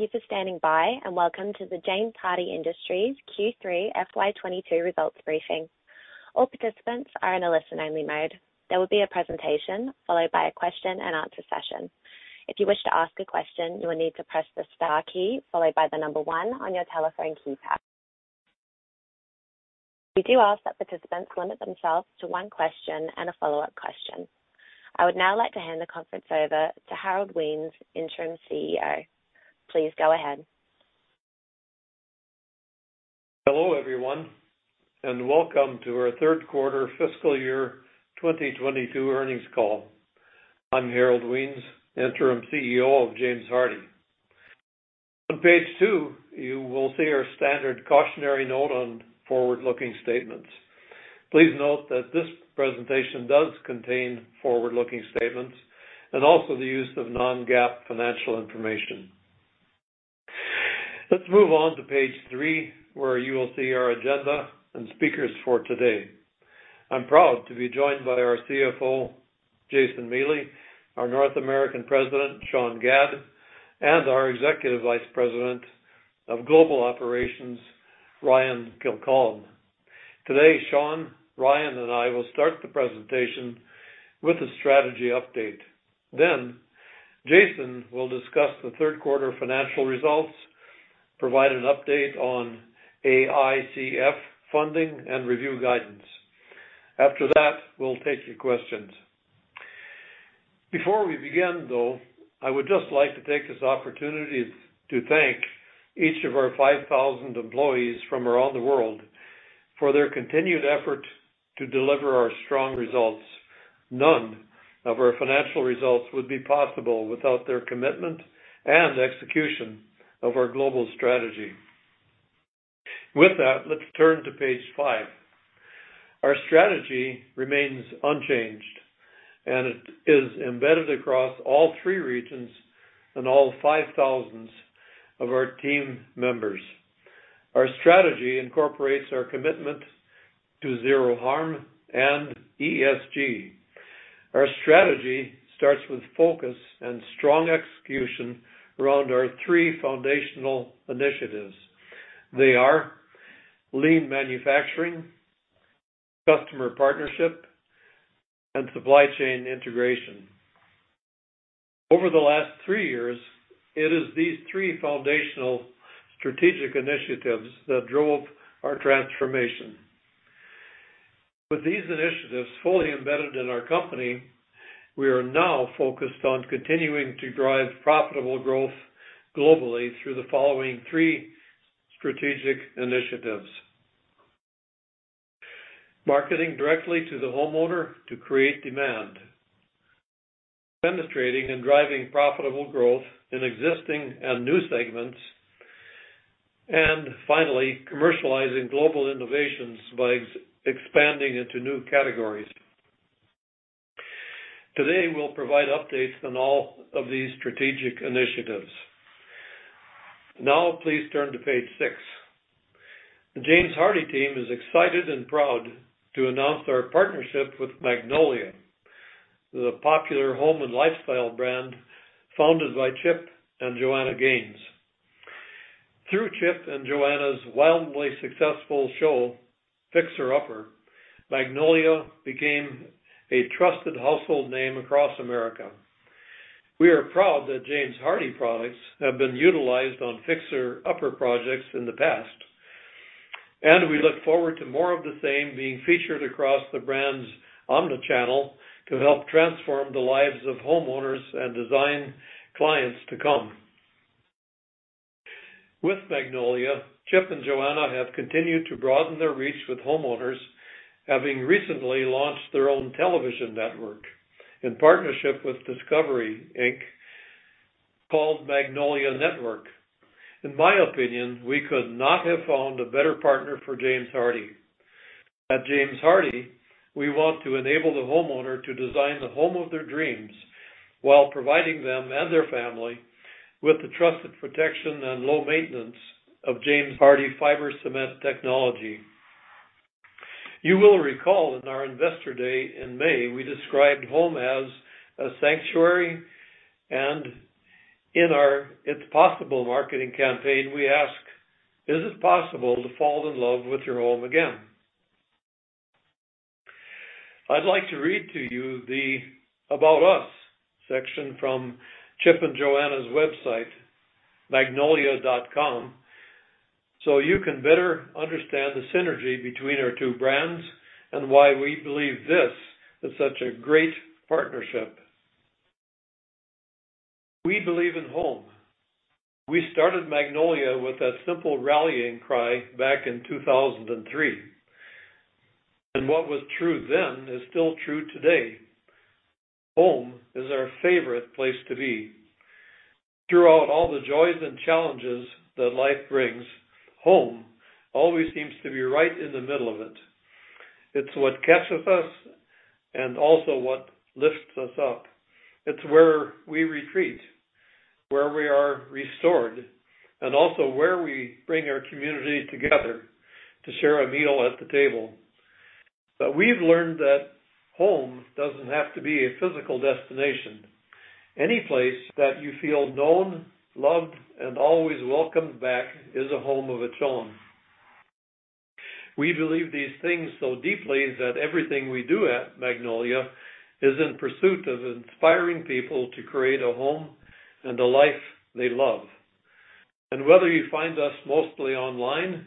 Thank you for standing by, and welcome to the James Hardie Industries Q3 FY 2022 results briefing. All participants are in a listen-only mode. There will be a presentation, followed by a question-and-answer session. If you wish to ask a question, you will need to press the star key, followed by the number one on your telephone keypad. We do ask that participants limit themselves to one question and a follow-up question. I would now like to hand the conference over to Harold Wiens, Interim CEO. Please go ahead. Hello, everyone, and welcome to our third quarter fiscal year 2022 earnings call. I'm Harold Wiens, Interim CEO of James Hardie. On page two, you will see our standard cautionary note on forward-looking statements. Please note that this presentation does contain forward-looking statements and also the use of non-GAAP financial information. Let's move on to page three, where you will see our agenda and speakers for today. I'm proud to be joined by our CFO, Jason Miele, our North American President, Sean Gadd, and our Executive Vice President of Global Operations, Ryan Kilcullen. Today, Sean, Ryan, and I will start the presentation with a strategy update. Then, Jason will discuss the third quarter financial results, provide an update on AICF funding, and review guidance. After that, we'll take your questions. Before we begin, though, I would just like to take this opportunity to thank each of our five thousand employees from around the world for their continued effort to deliver our strong results. None of our financial results would be possible without their commitment and execution of our global strategy. With that, let's turn to page five. Our strategy remains unchanged, and it is embedded across all three regions and all five thousand of our team members. Our strategy incorporates our commitment to zero harm and ESG. Our strategy starts with focus and strong execution around our three foundational initiatives. They are lean manufacturing, customer partnership, and supply chain integration. Over the last three years, it is these three foundational strategic initiatives that drove our transformation. With these initiatives fully embedded in our company, we are now focused on continuing to drive profitable growth globally through the following three strategic initiatives: marketing directly to the homeowner to create demand, demonstrating and driving profitable growth in existing and new segments, and finally, commercializing global innovations by expanding into new categories. Today, we'll provide updates on all of these strategic initiatives. Now, please turn to page six. The James Hardie team is excited and proud to announce our partnership with Magnolia, the popular home and lifestyle brand founded by Chip and Joanna Gaines. Through Chip and Joanna's wildly successful show, Fixer Upper, Magnolia became a trusted household name across America. We are proud that James Hardie products have been utilized on Fixer Upper projects in the past, and we look forward to more of the same being featured across the brand's omni-channel to help transform the lives of homeowners and design clients to come. With Magnolia, Chip and Joanna have continued to broaden their reach with homeowners, having recently launched their own television network in partnership with Discovery Inc. called Magnolia Network. In my opinion, we could not have found a better partner for James Hardie. At James Hardie, we want to enable the homeowner to design the home of their dreams while providing them and their family with the trusted protection and low maintenance of James Hardie fiber cement technology. You will recall in our Investor Day in May, we described home as a sanctuary, and in our It's Possible marketing campaign, we ask: "Is it possible to fall in love with your home again?" I'd like to read to you the About Us section from Chip and Joanna's website, Magnolia.com, so you can better understand the synergy between our two brands and why we believe this is such a great partnership. "We believe in home. We started Magnolia with that simple rallying cry back in 2003, and what was true then is still true today. Home is our favorite place to be. Throughout all the joys and challenges that life brings, home always seems to be right in the middle of it. It's what catches us and also what lifts us up. It's where we retreat, where we are restored, and also where we bring our community together to share a meal at the table... But we've learned that home doesn't have to be a physical destination. Any place that you feel known, loved, and always welcomed back is a home of its own. We believe these things so deeply that everything we do at Magnolia is in pursuit of inspiring people to create a home and a life they love. And whether you find us mostly online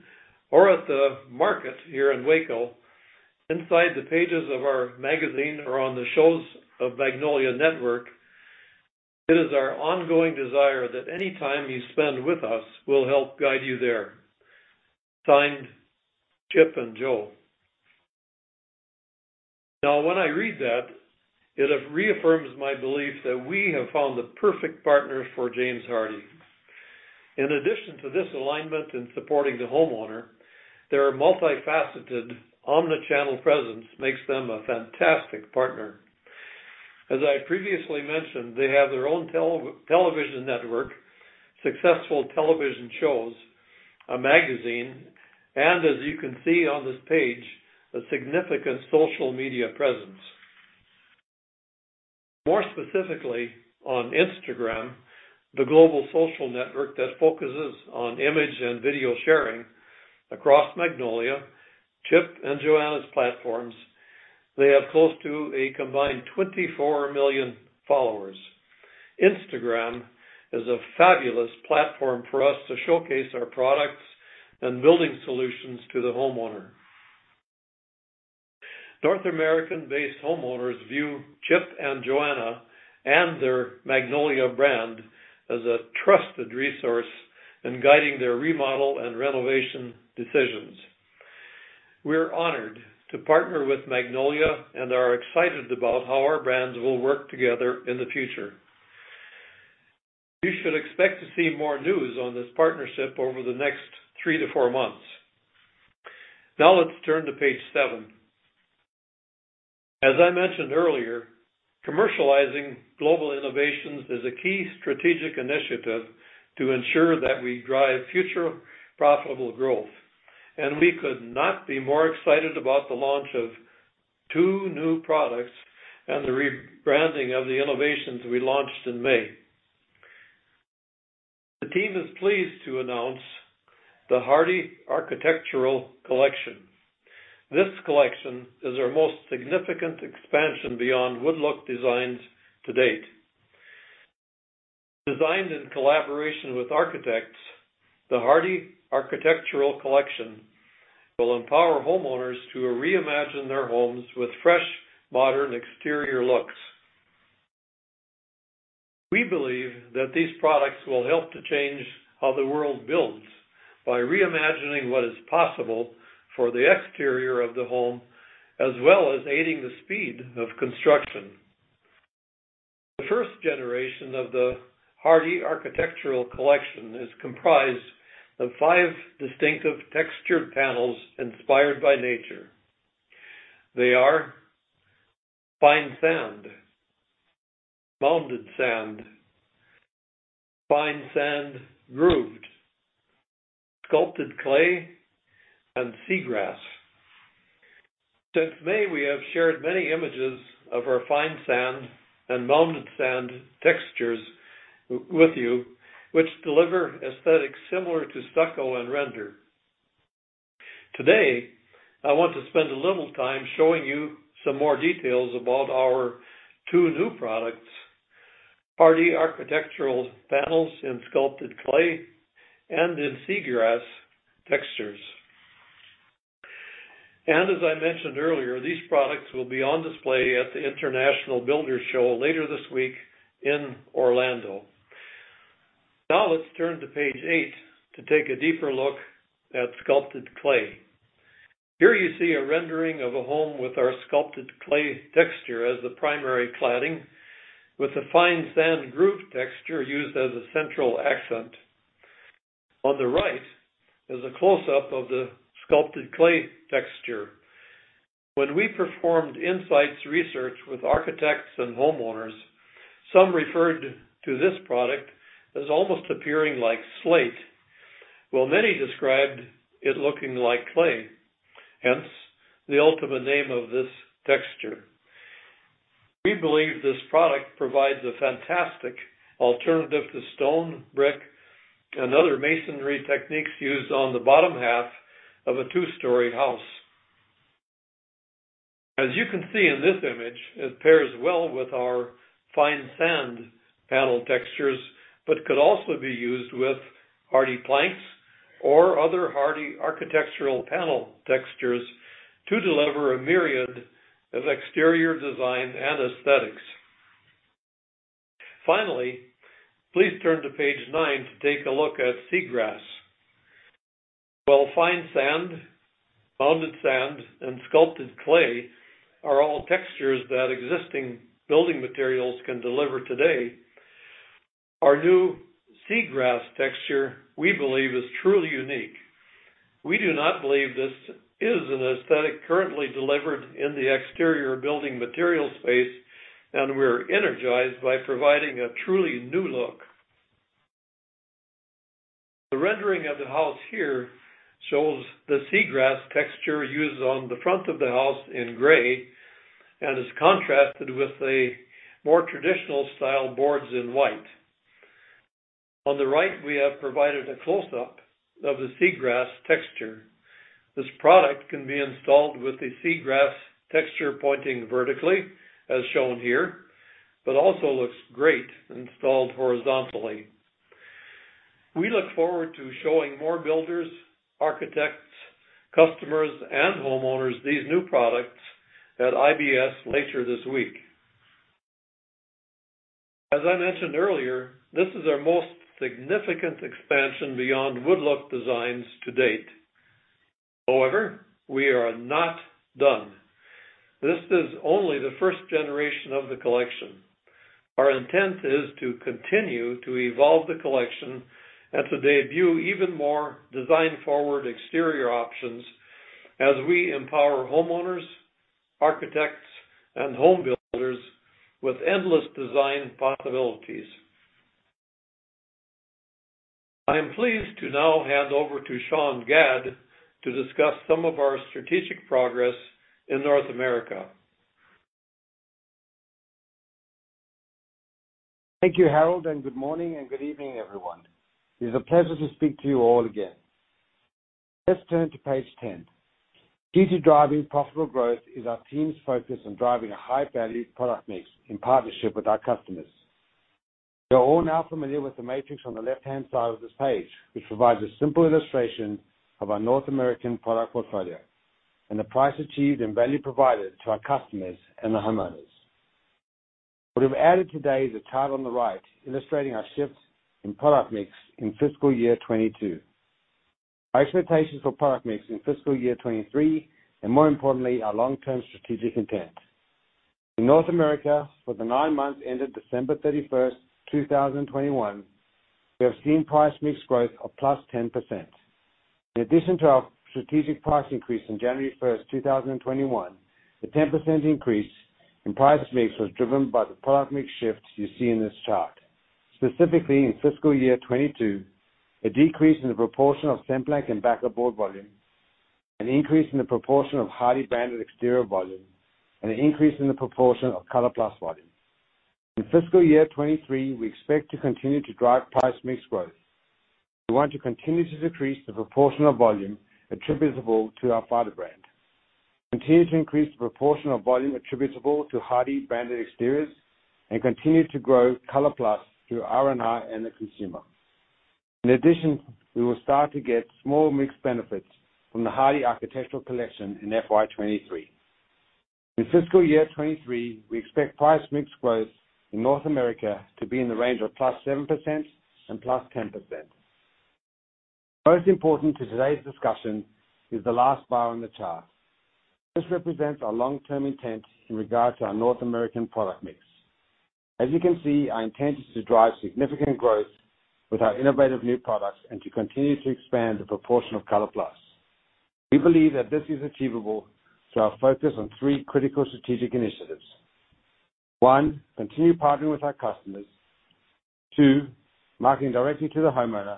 or at the market here in Waco, inside the pages of our magazine or on the shows of Magnolia Network, it is our ongoing desire that any time you spend with us will help guide you there. Signed, Chip and Jo. Now, when I read that, it reaffirms my belief that we have found the perfect partner for James Hardie. In addition to this alignment in supporting the homeowner, their multifaceted omni-channel presence makes them a fantastic partner. As I previously mentioned, they have their own television network, successful television shows, a magazine, and as you can see on this page, a significant social media presence. More specifically, on Instagram, the global social network that focuses on image and video sharing across Magnolia, Chip and Joanna's platforms, they have close to a combined twenty-four million followers. Instagram is a fabulous platform for us to showcase our products and building solutions to the homeowner. North American-based homeowners view Chip and Joanna and their Magnolia brand as a trusted resource in guiding their remodel and renovation decisions. We're honored to partner with Magnolia and are excited about how our brands will work together in the future. You should expect to see more news on this partnership over the next three to four months. Now, let's turn to page seven. As I mentioned earlier, commercializing global innovations is a key strategic initiative to ensure that we drive future profitable growth, and we could not be more excited about the launch of two new products and the rebranding of the innovations we launched in May. The team is pleased to announce the Hardie Architectural Collection. This collection is our most significant expansion beyond wood look designs to date. Designed in collaboration with architects, the Hardie Architectural Collection will empower homeowners to reimagine their homes with fresh, modern exterior looks. We believe that these products will help to change how the world builds by reimagining what is possible for the exterior of the home, as well as aiding the speed of construction. The first generation of the Hardie Architectural Collection is comprised of five distinctive textured panels inspired by nature. They are Fine Sand, Mounded Sand, Fine Sand-Grooved, Sculpted Clay, and Sea Grass. Since May, we have shared many images of our Fine Sand and Mounded Sand textures with you, which deliver aesthetics similar to stucco and render. Today, I want to spend a little time showing you some more details about our two new products, Hardie Architectural Panels in Sculpted Clay and in Sea Grass textures, and as I mentioned earlier, these products will be on display at the International Builders' Show later this week in Orlando. Now, let's turn to page eight to take a deeper look at Sculpted Clay. Here you see a rendering of a home with our Sculpted Clay texture as the primary cladding, with a Fine Sand-Grooved texture used as a central accent. On the right is a close-up of the Sculpted Clay texture. When we performed insights research with architects and homeowners, some referred to this product as almost appearing like slate, while many described it looking like clay, hence, the ultimate name of this texture. We believe this product provides a fantastic alternative to stone, brick, and other masonry techniques used on the bottom half of a two-story house. As you can see in this image, it pairs well with our Fine Sand Panel textures, but could also be used with HardiePlank or other Hardie Architectural Panel textures to deliver a myriad of exterior design and aesthetics. Finally, please turn to page nine to take a look at Sea Grass. While Fine Sand, Mounded Sand, and Sculpted Clay are all textures that existing building materials can deliver today, our new Sea Grass texture, we believe, is truly unique. We do not believe this is an aesthetic currently delivered in the exterior building material space, and we're energized by providing a truly new look. The rendering of the house here shows the Sea Grass texture used on the front of the house in gray, and is contrasted with a more traditional style boards in white. On the right, we have provided a close-up of the Sea Grass texture. This product can be installed with the Sea Grass texture pointing vertically, as shown here, but also looks great installed horizontally. We look forward to showing more builders, architects, customers, and homeowners these new products at IBS later this week. As I mentioned earlier, this is our most significant expansion beyond wood-look designs to date. However, we are not done. This is only the first generation of the collection. Our intent is to continue to evolve the collection and to debut even more design-forward exterior options as we empower homeowners, architects, and home builders with endless design possibilities. I am pleased to now hand over to Sean Gadd to discuss some of our strategic progress in North America. Thank you, Harold, and good morning and good evening, everyone. It is a pleasure to speak to you all again. Let's turn to page 10. Key to driving profitable growth is our team's focus on driving a high-value product mix in partnership with our customers. You're all now familiar with the matrix on the left-hand side of this page, which provides a simple illustration of our North American product portfolio and the price achieved and value provided to our customers and the homeowners. What we've added today is a chart on the right, illustrating our shifts in product mix in fiscal year 2022, our expectations for product mix in fiscal year 2023, and more importantly, our long-term strategic intent. In North America, for the nine months ended December 31st, 2021, we have seen price mix growth of +10%. In addition to our strategic price increase on January 1st, 2021, the 10% increase in price mix was driven by the product mix shifts you see in this chart. Specifically, in fiscal year 2022, a decrease in the proportion of Cemplank and backer board volume, an increase in the proportion of Hardie branded exterior volume, and an increase in the proportion of ColorPlus volume. In fiscal year 2023, we expect to continue to drive price mix growth. We want to continue to decrease the proportion of volume attributable to our fiber brand, continue to increase the proportion of volume attributable to Hardie branded exteriors, and continue to grow ColorPlus through R&R and the consumer. In addition, we will start to get small mixed benefits from the Hardie Architectural Collection in FY 2023. In fiscal year 2023, we expect price mix growth in North America to be in the range of +7% to +10%. Most important to today's discussion is the last bar on the chart. This represents our long-term intent in regard to our North American product mix. As you can see, our intent is to drive significant growth with our innovative new products and to continue to expand the proportion of ColorPlus. We believe that this is achievable through our focus on three critical strategic initiatives. One, continue partnering with our customers. Two, marketing directly to the homeowner.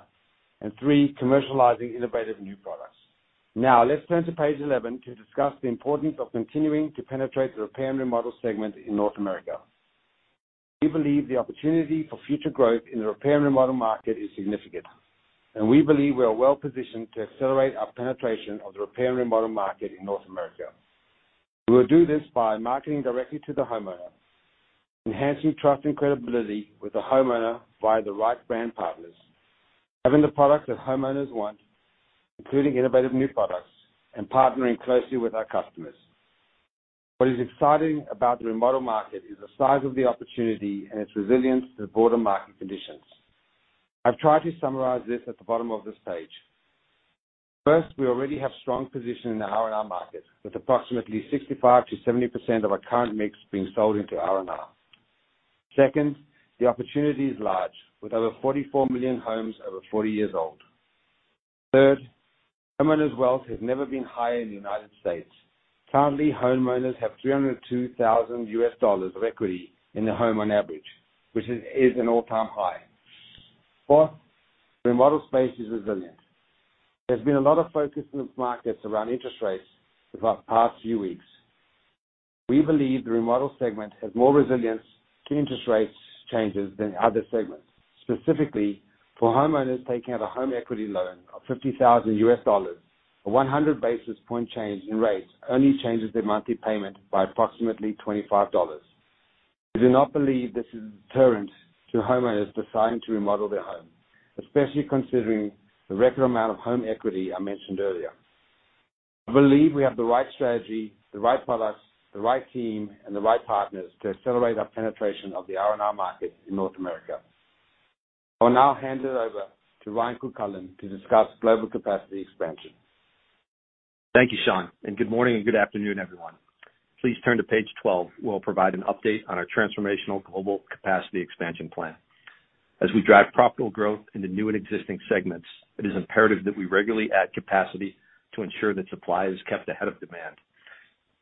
And three, commercializing innovative new products. Now, let's turn to page 11 to discuss the importance of continuing to penetrate the repair and remodel segment in North America. We believe the opportunity for future growth in the repair and remodel market is significant, and we believe we are well-positioned to accelerate our penetration of the repair and remodel market in North America. We will do this by marketing directly to the homeowner, enhancing trust and credibility with the homeowner via the right brand partners, having the products that homeowners want, including innovative new products, and partnering closely with our customers. What is exciting about the remodel market is the size of the opportunity and its resilience to the broader market conditions. I've tried to summarize this at the bottom of this page. First, we already have strong position in the R&R market, with approximately 65%-70% of our current mix being sold into R&R. Second, the opportunity is large, with over 44 million homes over 40 years old. Third, homeowners' wealth has never been higher in the United States. Currently, homeowners have $302,000 of equity in their home on average, which is an all-time high. Fourth, the remodel space is resilient. There's been a lot of focus in the markets around interest rates throughout the past few weeks. We believe the remodel segment has more resilience to interest rates changes than other segments. Specifically, for homeowners taking out a home equity loan of $50,000, a 100 basis point change in rates only changes their monthly payment by approximately $25. We do not believe this is a deterrent to homeowners deciding to remodel their home, especially considering the record amount of home equity I mentioned earlier. I believe we have the right strategy, the right products, the right team, and the right partners to accelerate our penetration of the R&R market in North America. I will now hand it over to Ryan Kilcullen to discuss global capacity expansion. Thank you, Sean, and good morning and good afternoon, everyone. Please turn to page 12, where I'll provide an update on our transformational global capacity expansion plan. As we drive profitable growth into new and existing segments, it is imperative that we regularly add capacity to ensure that supply is kept ahead of demand.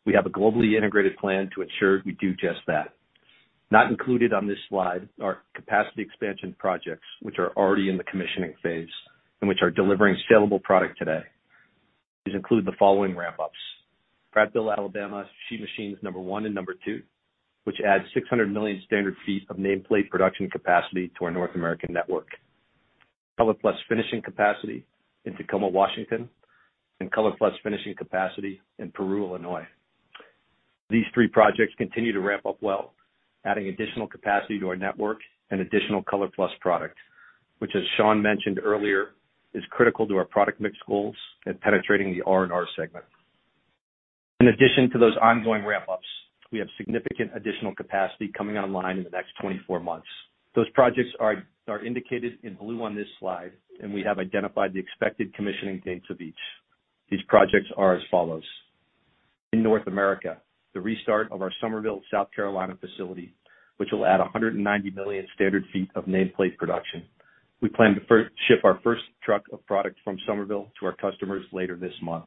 We have a globally integrated plan to ensure we do just that. Not included on this slide are capacity expansion projects, which are already in the commissioning phase and which are delivering sellable product today. These include the following ramp-ups: Prattville, Alabama, sheet machines number one and number two, which adds 600 million standard ft of nameplate production capacity to our North American network. ColorPlus finishing capacity in Tacoma, Washington, and ColorPlus finishing capacity in Peru, Illinois. These three projects continue to ramp up well, adding additional capacity to our network and additional ColorPlus product, which, as Sean mentioned earlier, is critical to our product mix goals and penetrating the R&R segment. In addition to those ongoing ramp-ups, we have significant additional capacity coming online in the next 24 months. Those projects are indicated in blue on this slide, and we have identified the expected commissioning dates of each. These projects are as follows: In North America, the restart of our Summerville, South Carolina, facility, which will add 190 million sq ft of nameplate production. We plan to first ship our first truck of product from Summerville to our customers later this month.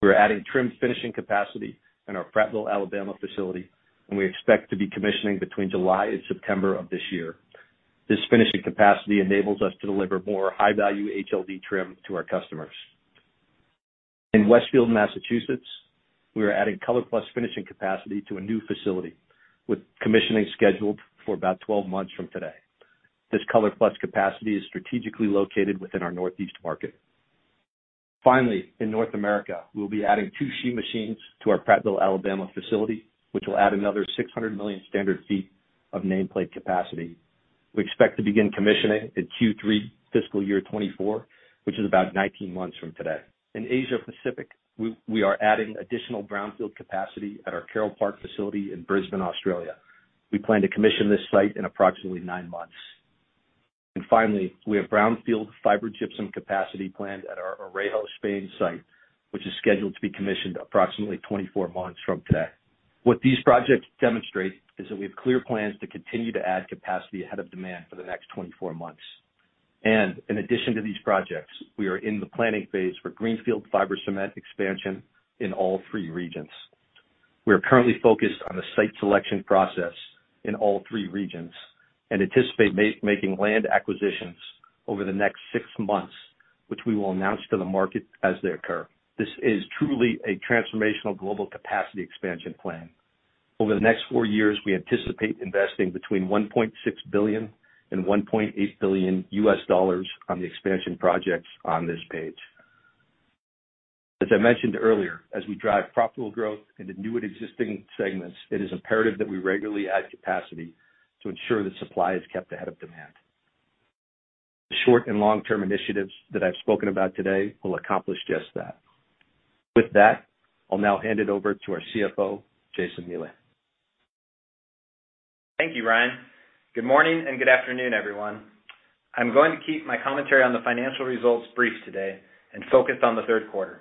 We're adding trim finishing capacity in our Prattville, Alabama, facility, and we expect to be commissioning between July and September of this year. This finishing capacity enables us to deliver more high-value HLD trim to our customers. In Westfield, Massachusetts, we are adding ColorPlus finishing capacity to a new facility, with commissioning scheduled for about 12 months from today. This ColorPlus capacity is strategically located within our Northeast market. Finally, in North America, we'll be adding two sheet machines to our Prattville, Alabama, facility, which will add another 600 million square feet of nameplate capacity. We expect to begin commissioning in Q3 fiscal year 2024, which is about 19 months from today. In Asia Pacific, we are adding additional brownfield capacity at our Carroll Park facility in Brisbane, Australia. We plan to commission this site in approximately 9 months. And finally, we have brownfield fiber gypsum capacity planned at our Orejo, Spain, site, which is scheduled to be commissioned approximately 24 months from today. What these projects demonstrate is that we have clear plans to continue to add capacity ahead of demand for the next 24 months. And in addition to these projects, we are in the planning phase for greenfield fiber cement expansion in all three regions. We are currently focused on the site selection process in all three regions and anticipate making land acquisitions over the next six months, which we will announce to the market as they occur. This is truly a transformational global capacity expansion plan. Over the next four years, we anticipate investing between $1.6 billion and $1.8 billion on the expansion projects on this page. As I mentioned earlier, as we drive profitable growth into new and existing segments, it is imperative that we regularly add capacity to ensure that supply is kept ahead of demand. The short- and long-term initiatives that I've spoken about today will accomplish just that. With that, I'll now hand it over to our CFO, Jason Miele. Thank you, Ryan. Good morning, and good afternoon, everyone. I'm going to keep my commentary on the financial results brief today and focused on the third quarter.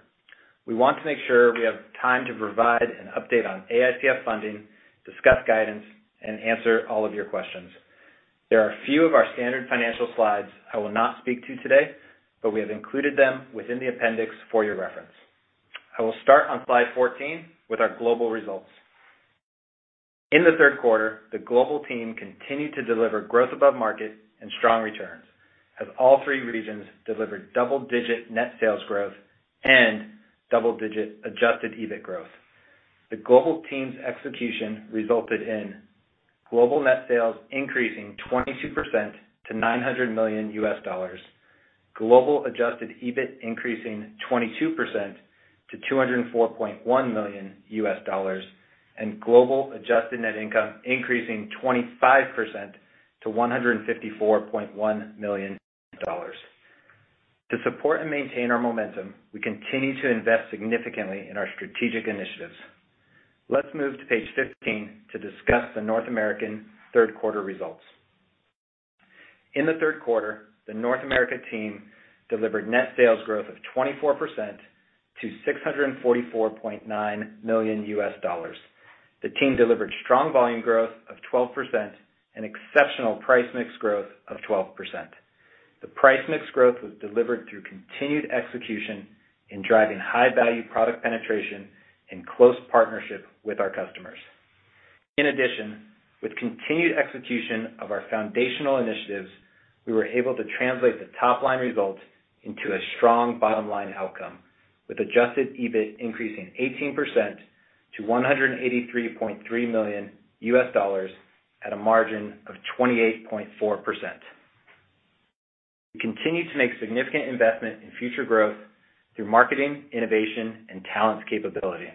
We want to make sure we have time to provide an update on AICF funding, discuss guidance, and answer all of your questions. There are a few of our standard financial slides I will not speak to today, but we have included them within the appendix for your reference. I will start on slide 14 with our global results. In the third quarter, the global team continued to deliver growth above market and strong returns, as all three regions delivered double-digit net sales growth and double-digit adjusted EBIT growth. The global team's execution resulted in global net sales increasing 22% to $900 million, global adjusted EBIT increasing 22% to $204.1 million, and global adjusted net income increasing 25% to $154.1 million. To support and maintain our momentum, we continue to invest significantly in our strategic initiatives. Let's move to page 15 to discuss the North American third quarter results. In the third quarter, the North America team delivered net sales growth of 24% to $644.9 million. The team delivered strong volume growth of 12% and exceptional price mix growth of 12%. The price mix growth was delivered through continued execution in driving high-value product penetration in close partnership with our customers. In addition, with continued execution of our foundational initiatives, we were able to translate the top-line results into a strong bottom-line outcome, with adjusted EBIT increasing 18% to $183.3 million at a margin of 28.4%. We continue to make significant investment in future growth through marketing, innovation, and talent capability.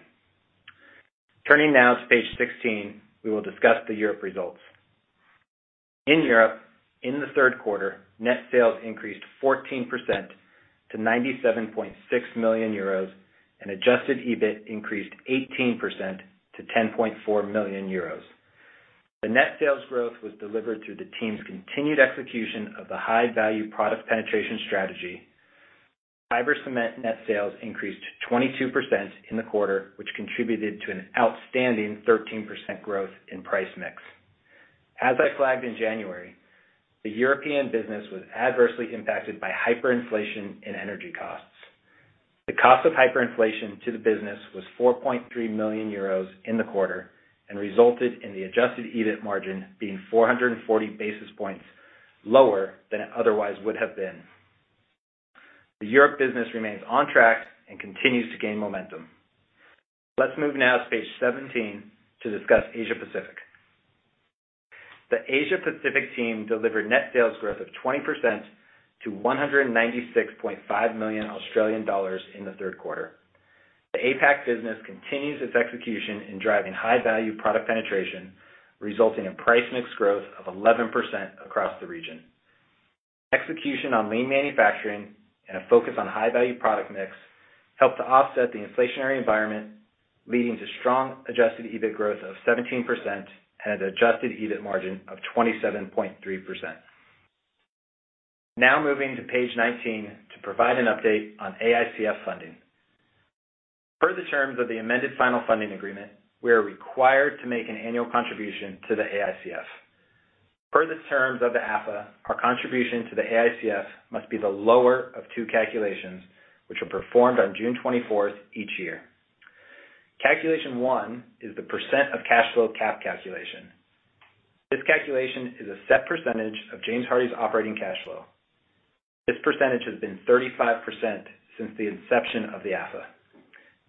Turning now to page 16, we will discuss the Europe results. In Europe, in the third quarter, net sales increased 14% to 97.6 million euros, and adjusted EBIT increased 18% to 10.4 million euros. The net sales growth was delivered through the team's continued execution of the high-value product penetration strategy. Fiber cement net sales increased 22% in the quarter, which contributed to an outstanding 13% growth in price mix... As I flagged in January, the European business was adversely impacted by hyperinflation and energy costs. The cost of hyperinflation to the business was 4.3 million euros in the quarter and resulted in the adjusted EBIT margin being 440 basis points lower than it otherwise would have been. The Europe business remains on track and continues to gain momentum. Let's move now to page 17 to discuss Asia Pacific. The Asia Pacific team delivered net sales growth of 20% to 196.5 million Australian dollars in the third quarter. The APAC business continues its execution in driving high-value product penetration, resulting in price mix growth of 11% across the region. Execution on lean manufacturing and a focus on high-value product mix helped to offset the inflationary environment, leading to strong adjusted EBIT growth of 17% and an adjusted EBIT margin of 27.3%. Now moving to page 19 to provide an update on AICF funding. Per the terms of the amended final funding agreement, we are required to make an annual contribution to the AICF. Per the terms of the AFA, our contribution to the AICF must be the lower of two calculations, which are performed on June twenty-fourth each year. Calculation one is the percent of cash flow cap calculation. This calculation is a set percentage of James Hardie's operating cash flow. This percentage has been 35% since the inception of the AFA.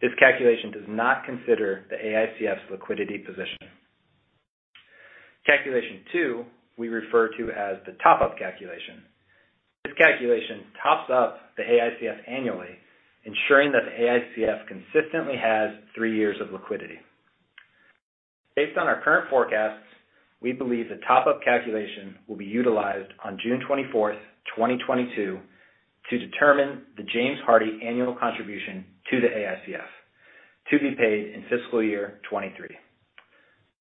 This calculation does not consider the AICF's liquidity position. Calculation two, we refer to as the top-up calculation. This calculation tops up the AICF annually, ensuring that the AICF consistently has three years of liquidity. Based on our current forecasts, we believe the top-up calculation will be utilized on June 24th, 2022, to determine the James Hardie annual contribution to the AICF, to be paid in fiscal year 2023.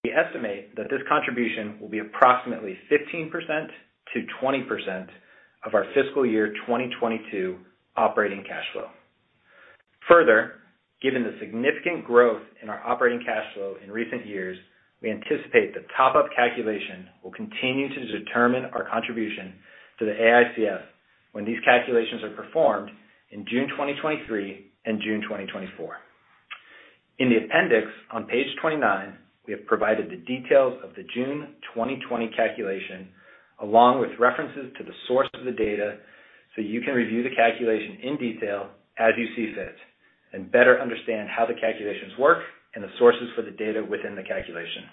We estimate that this contribution will be approximately 15%-20% of our fiscal year 2022 operating cash flow. Further, given the significant growth in our operating cash flow in recent years, we anticipate the top-up calculation will continue to determine our contribution to the AICF when these calculations are performed in June 2023 and June 2024. In the appendix on page 29, we have provided the details of the June 2020 calculation, along with references to the source of the data, so you can review the calculation in detail as you see fit and better understand how the calculations work and the sources for the data within the calculation.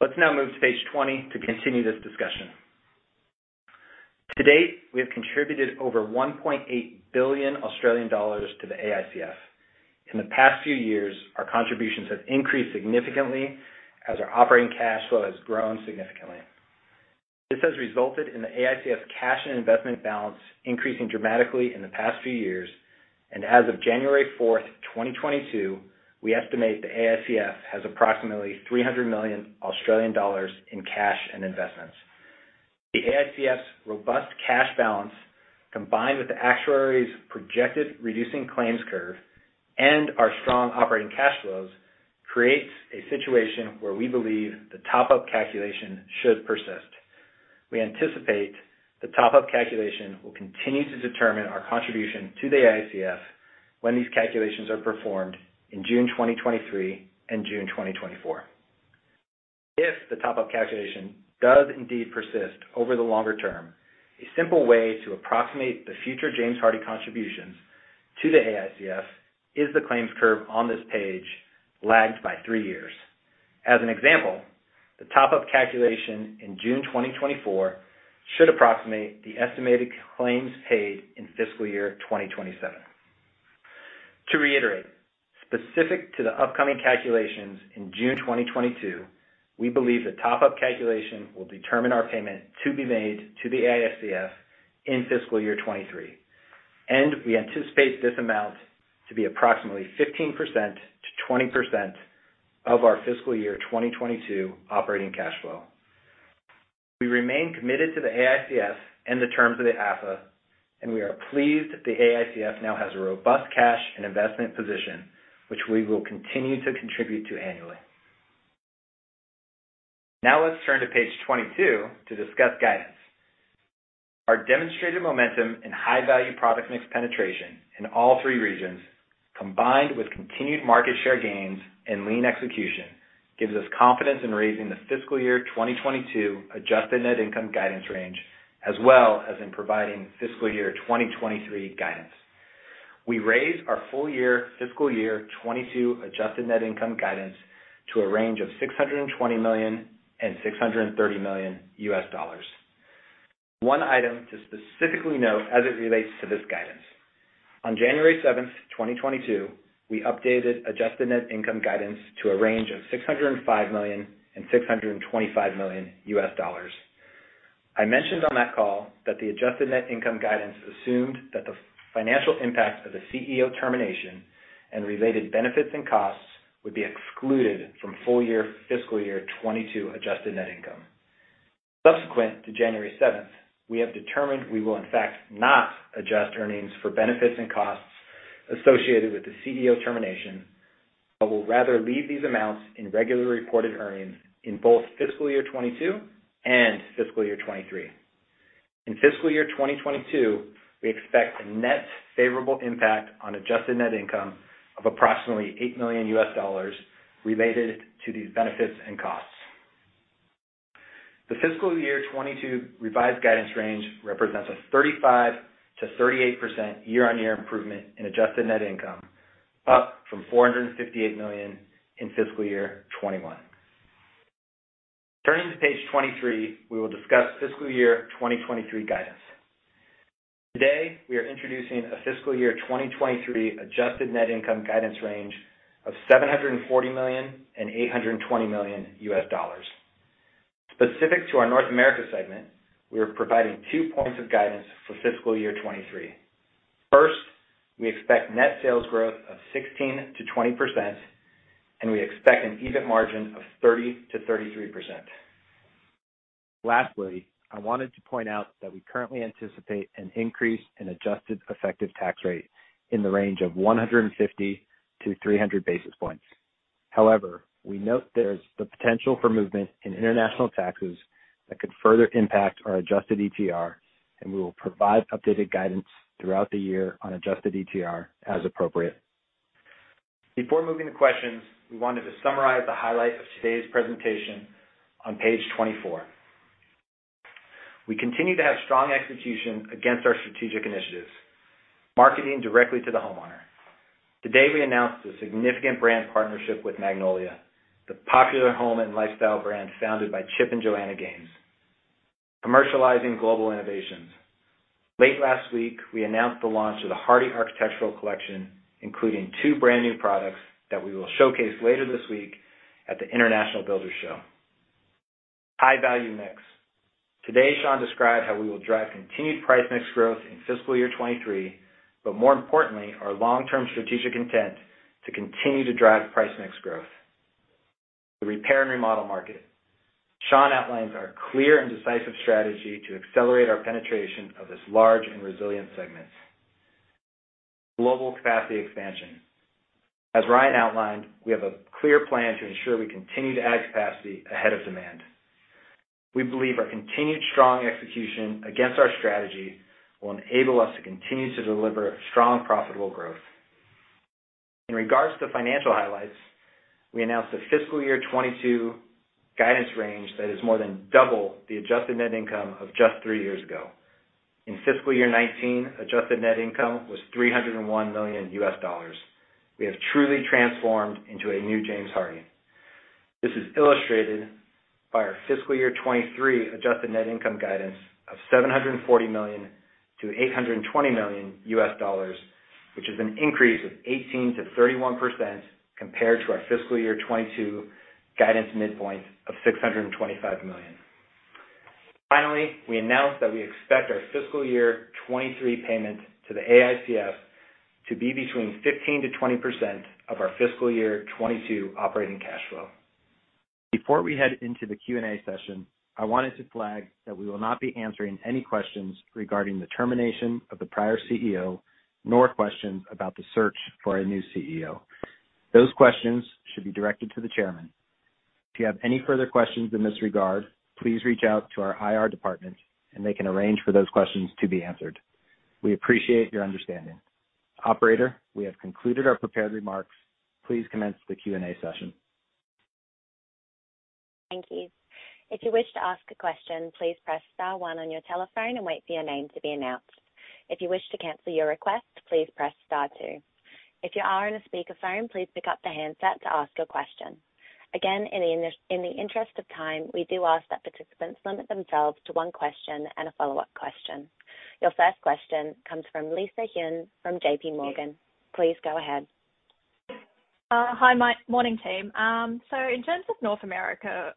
Let's now move to page 20 to continue this discussion. To date, we have contributed over 1.8 billion Australian dollars to the AICF. In the past few years, our contributions have increased significantly as our operating cash flow has grown significantly. This has resulted in the AICF's cash and investment balance increasing dramatically in the past few years, and as of January 4th, 2022, we estimate the AICF has approximately 300 million Australian dollars in cash and investments. The AICF's robust cash balance, combined with the actuaries' projected reducing claims curve and our strong operating cash flows, creates a situation where we believe the top-up calculation should persist. We anticipate the top-up calculation will continue to determine our contribution to the AICF when these calculations are performed in June 2023 and June 2024. If the top-up calculation does indeed persist over the longer term, a simple way to approximate the future James Hardie contributions to the AICF is the claims curve on this page, lagged by three years. As an example, the top-up calculation in June 2024 should approximate the estimated claims paid in fiscal year 2027. To reiterate, specific to the upcoming calculations in June 2022, we believe the top-up calculation will determine our payment to be made to the AICF in fiscal year 2023, and we anticipate this amount to be approximately 15% to 20% of our fiscal year 2022 operating cash flow. We remain committed to the AICF and the terms of the AFA, and we are pleased the AICF now has a robust cash and investment position, which we will continue to contribute to annually. Now, let's turn to page 22 to discuss guidance. Our demonstrated momentum and high-value product mix penetration in all three regions, combined with continued market share gains and lean execution, gives us confidence in raising the fiscal year 2022 adjusted net income guidance range, as well as in providing fiscal year 2023 guidance. We raised our full-year fiscal year 2022 adjusted net income guidance to a range of $620 million-$630 million. One item to specifically note as it relates to this guidance. On January 7th, 2022, we updated adjusted net income guidance to a range of $605 million-$625 million. I mentioned on that call that the adjusted net income guidance assumed that the financial impact of the CEO termination and related benefits and costs would be excluded from full-year fiscal year 2022 adjusted net income. Subsequent to January 7th, we have determined we will in fact not adjust earnings for benefits and costs associated with the CEO termination, but will rather leave these amounts in regularly reported earnings in both fiscal year 2022 and fiscal year 2023. In fiscal year 2022, we expect a net favorable impact on adjusted net income of approximately $8 million related to these benefits and costs. The fiscal year 2022 revised guidance range represents a 35%-38% year-on-year improvement in adjusted net income, up from $458 million in fiscal year 2021. Turning to page 23, we will discuss fiscal year 2023 guidance. Today, we are introducing a fiscal year 2023 adjusted net income guidance range of $740 million and $820 million. Specific to our North America segment, we are providing two points of guidance for fiscal year 2023. First, we expect net sales growth of 16%-20%, and we expect an EBIT margin of 30%-33%. Lastly, I wanted to point out that we currently anticipate an increase in adjusted effective tax rate in the range of 150-300 basis points. However, we note there is the potential for movement in international taxes that could further impact our adjusted ETR, and we will provide updated guidance throughout the year on adjusted ETR as appropriate. Before moving to questions, we wanted to summarize the highlight of today's presentation on page 24. We continue to have strong execution against our strategic initiatives, marketing directly to the homeowner. Today, we announced a significant brand partnership with Magnolia, the popular home and lifestyle brand founded by Chip and Joanna Gaines. Commercializing global innovations. Late last week, we announced the launch of the Hardie Architectural Collection, including two brand new products that we will showcase later this week at the International Builders' Show. High value mix. Today, Sean described how we will drive continued price mix growth in fiscal year 2023, but more importantly, our long-term strategic intent to continue to drive price mix growth. The repair and remodel market. Sean outlines our clear and decisive strategy to accelerate our penetration of this large and resilient segment. Global capacity expansion. As Ryan outlined, we have a clear plan to ensure we continue to add capacity ahead of demand. We believe our continued strong execution against our strategy will enable us to continue to deliver strong, profitable growth. In regards to financial highlights, we announced a fiscal year 2022 guidance range that is more than double the adjusted net income of just three years ago. In fiscal year 2019, adjusted net income was $301 million. We have truly transformed into a new James Hardie. This is illustrated by our fiscal year 2023 adjusted net income guidance of $740 million-$820 million, which is an increase of 18%-31% compared to our fiscal year 2022 guidance midpoint of $625 million. Finally, we announced that we expect our fiscal year 2023 payments to the AICF to be between 15%-20% of our fiscal year 2022 operating cash flow. Before we head into the Q&A session, I wanted to flag that we will not be answering any questions regarding the termination of the prior CEO, nor questions about the search for our new CEO. Those questions should be directed to the chairman. If you have any further questions in this regard, please reach out to our IR department and they can arrange for those questions to be answered. We appreciate your understanding. Operator, we have concluded our prepared remarks. Please commence the Q&A session. Thank you. If you wish to ask a question, please press star one on your telephone and wait for your name to be announced. If you wish to cancel your request, please press star two. If you are on a speakerphone, please pick up the handset to ask a question. Again, in the interest of time, we do ask that participants limit themselves to one question and a follow-up question. Your first question comes from Lisa Huynh from JPMorgan. Please go ahead. Hi, morning, team. So in terms of North America,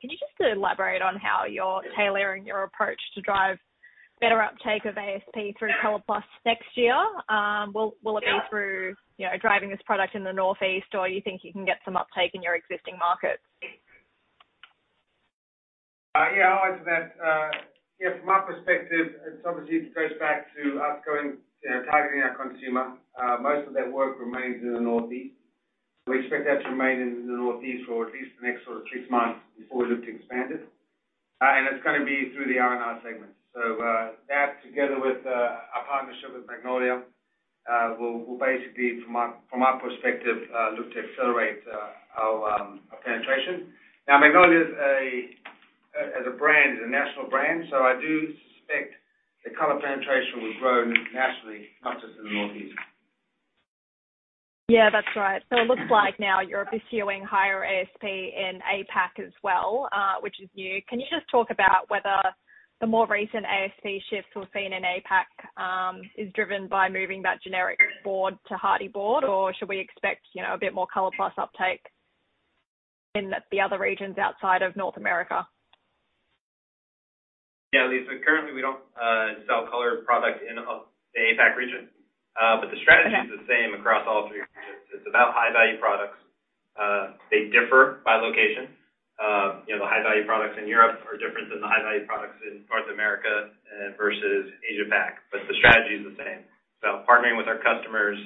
can you just elaborate on how you're tailoring your approach to drive better uptake of ASP through ColorPlus next year? Will it be through, you know, driving this product in the Northeast, or you think you can get some uptake in your existing markets? Yeah, I'll answer that. Yeah, from my perspective, it obviously goes back to us going, you know, targeting our consumer. Most of that work remains in the Northeast. We expect that to remain in the Northeast for at least the next sort of six months before we look to expand it. And it's gonna be through the R&R segment. So, that together with our partnership with Magnolia will basically, from my perspective, look to accelerate our penetration. Now, Magnolia is a, as a brand, is a national brand, so I do suspect the color penetration will grow nationally, not just in the Northeast. Yeah, that's right. So it looks like now you're pursuing higher ASP in APAC as well, which is new. Can you just talk about whether the more recent ASP shifts we've seen in APAC is driven by moving that generic board to Hardie Board, or should we expect, you know, a bit more ColorPlus uptake in the other regions outside of North America?... Yeah, Lisa, currently we don't sell color product in the APAC region. But the strategy is the same across all three. It's about high-value products. They differ by location. You know, the high-value products in Europe are different than the high-value products in North America and versus Asia-Pac, but the strategy is the same. So partnering with our customers,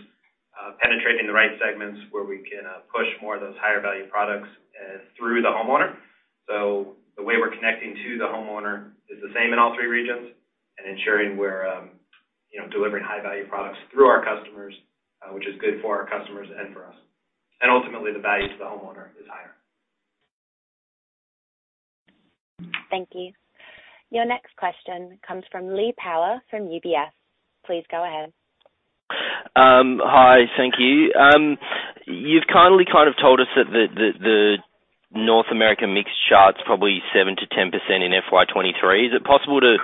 penetrating the right segments where we can push more of those higher value products through the homeowner. So the way we're connecting to the homeowner is the same in all three regions, and ensuring we're, you know, delivering high-value products through our customers, which is good for our customers and for us. And ultimately, the value to the homeowner is higher. Thank you. Your next question comes from Lee Power from UBS. Please go ahead. Hi. Thank you. You've kindly kind of told us that the North American market's probably 7%-10% in FY 2023. Is it possible to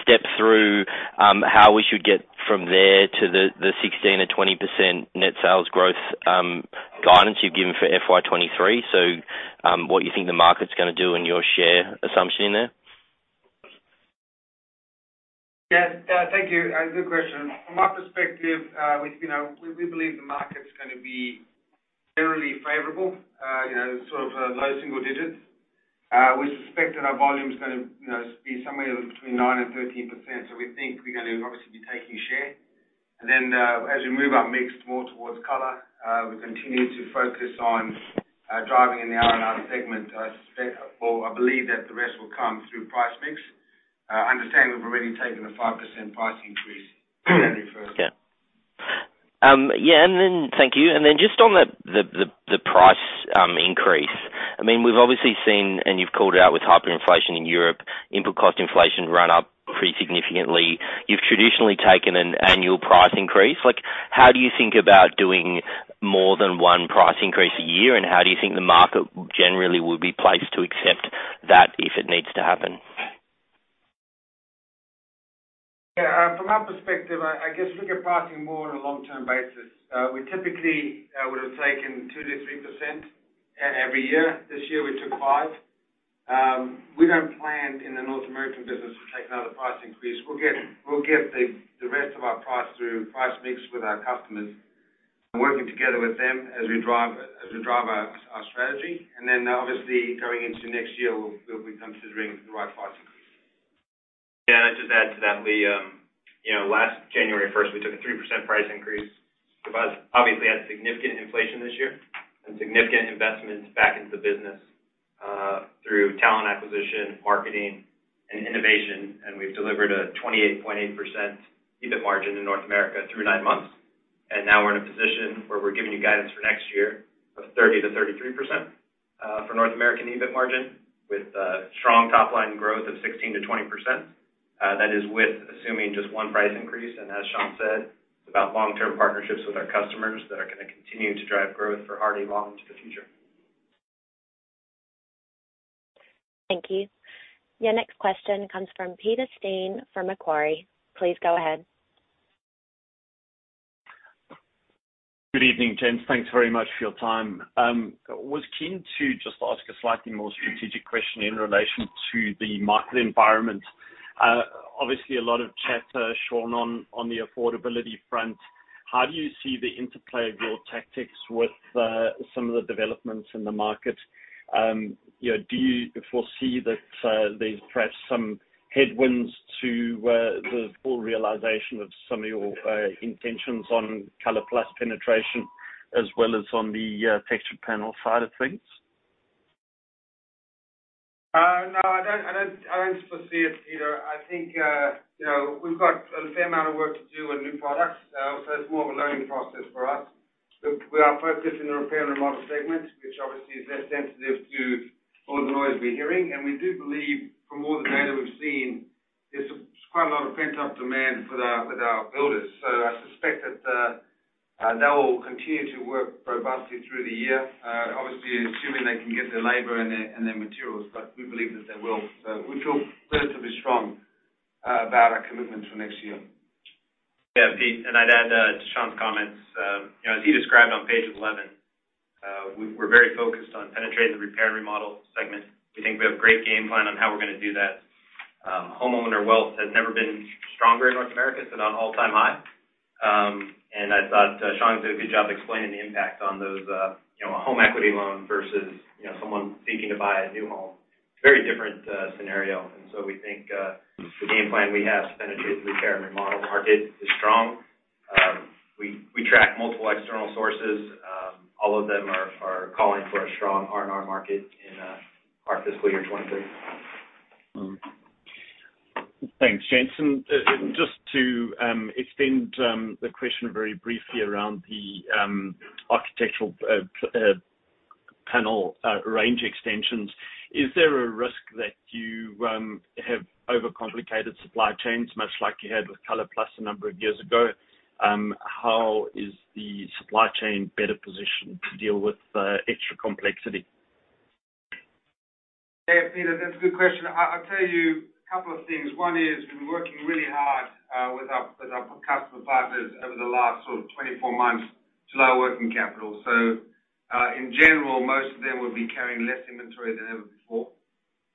step through how we should get from there to the 16% or 20% net sales growth guidance you've given for FY 2023? What you think the market's gonna do and your share assumption there? Yeah, thank you. Good question. From my perspective, we, you know, we believe the market's gonna be generally favorable, you know, sort of, low single digits. We suspect that our volume is gonna, you know, be somewhere between 9% and 13%. So we think we're gonna obviously be taking share. And then, as we move our mix more towards color, we continue to focus on, driving in the R&R segment, or I believe that the rest will come through price mix. Understand we've already taken a 5% price increase January 1st. Yeah. Yeah, and then thank you. And then just on the price increase. I mean, we've obviously seen, and you've called it out with hyperinflation in Europe, input cost inflation run up pretty significantly. You've traditionally taken an annual price increase. Like, how do you think about doing more than one price increase a year, and how do you think the market generally will be placed to accept that if it needs to happen? Yeah, from our perspective, I guess we get pricing more on a long-term basis. We typically would have taken 2%-3% every year. This year, we took 5%. We don't plan in the North American business to take another price increase. We'll get the rest of our price through price mix with our customers, working together with them as we drive our strategy, and then, obviously, going into next year, we'll be considering the right price increase. Yeah, and I'll just add to that, we, you know, last January 1st, we took a 3% price increase. But obviously, had significant inflation this year and significant investments back into the business, through talent acquisition, marketing, and innovation. And we've delivered a 28.8% EBIT margin in North America through nine months. And now we're in a position where we're giving you guidance for next year of 30%-33%, for North American EBIT margin, with, strong top line growth of 16%-20%. That is with assuming just one price increase, and as Sean said, it's about long-term partnerships with our customers that are gonna continue to drive growth for Hardie long into the future. Thank you. Your next question comes from Peter Steyn, from Macquarie. Please go ahead. Good evening, gents. Thanks very much for your time. I was keen to just ask a slightly more strategic question in relation to the market environment. Obviously, a lot of chatter, Sean, on the affordability front. How do you see the interplay of your tactics with some of the developments in the market? You know, do you foresee that there's perhaps some headwinds to the full realization of some of your intentions on ColorPlus penetration, as well as on the textured panel side of things? No, I don't foresee it, Peter. I think, you know, we've got a fair amount of work to do on new products, so it's more of a learning process for us. We are focused in the repair and remodel segments, which obviously is less sensitive to all the noise we're hearing. We do believe from all the data we've seen, there's quite a lot of pent-up demand with our builders. I suspect that they will continue to work robustly through the year, obviously, assuming they can get their labor and their materials, but we believe that they will. We feel relatively strong about our commitment to next year. Yeah, Pete, and I'd add to Sean's comments. You know, as he described on page eleven, we're very focused on penetrating the repair and remodel segment. We think we have a great game plan on how we're gonna do that. Homeowner wealth has never been stronger in North America. It's at an all-time high. And I thought Sean did a good job explaining the impact on those, you know, a home equity loan versus, you know, someone seeking to buy a new home. It's a very different scenario, and so we think the game plan we have to penetrate the repair and remodel market is strong. We track multiple external sources. All of them are calling for a strong R&R market in our fiscal year 2023. Thanks, Jason, and just to extend the question very briefly around the architectural panel range extensions, is there a risk that you have overcomplicated supply chains, much like you had with ColorPlus a number of years ago? How is the supply chain better positioned to deal with extra complexity? Yeah, Peter, that's a good question. I'll tell you a couple of things. One is, we've been working really hard with our customer partners over the last sort of twenty-four months to lower working capital. In general, most of them would be carrying less inventory than ever before,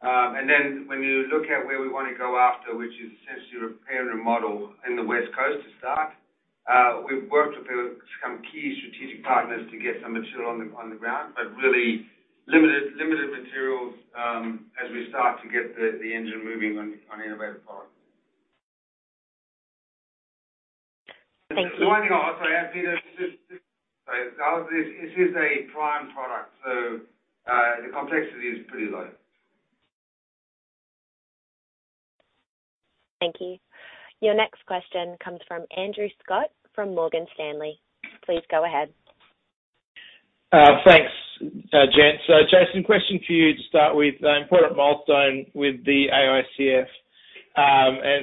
and then when you look at where we wanna go after, which is essentially repair and remodel in the West Coast to start, we've worked with some key strategic partners to get some material on the ground, but really limited materials, as we start to get the engine moving on innovative products. Thank you. One thing I'll just add, Peter, just say this is a prime product, so the complexity is pretty low. Thank you. Your next question comes from Andrew Scott, from Morgan Stanley. Please go ahead. Thanks, Jen. So, Jason, question for you to start with, an important milestone with the AICF.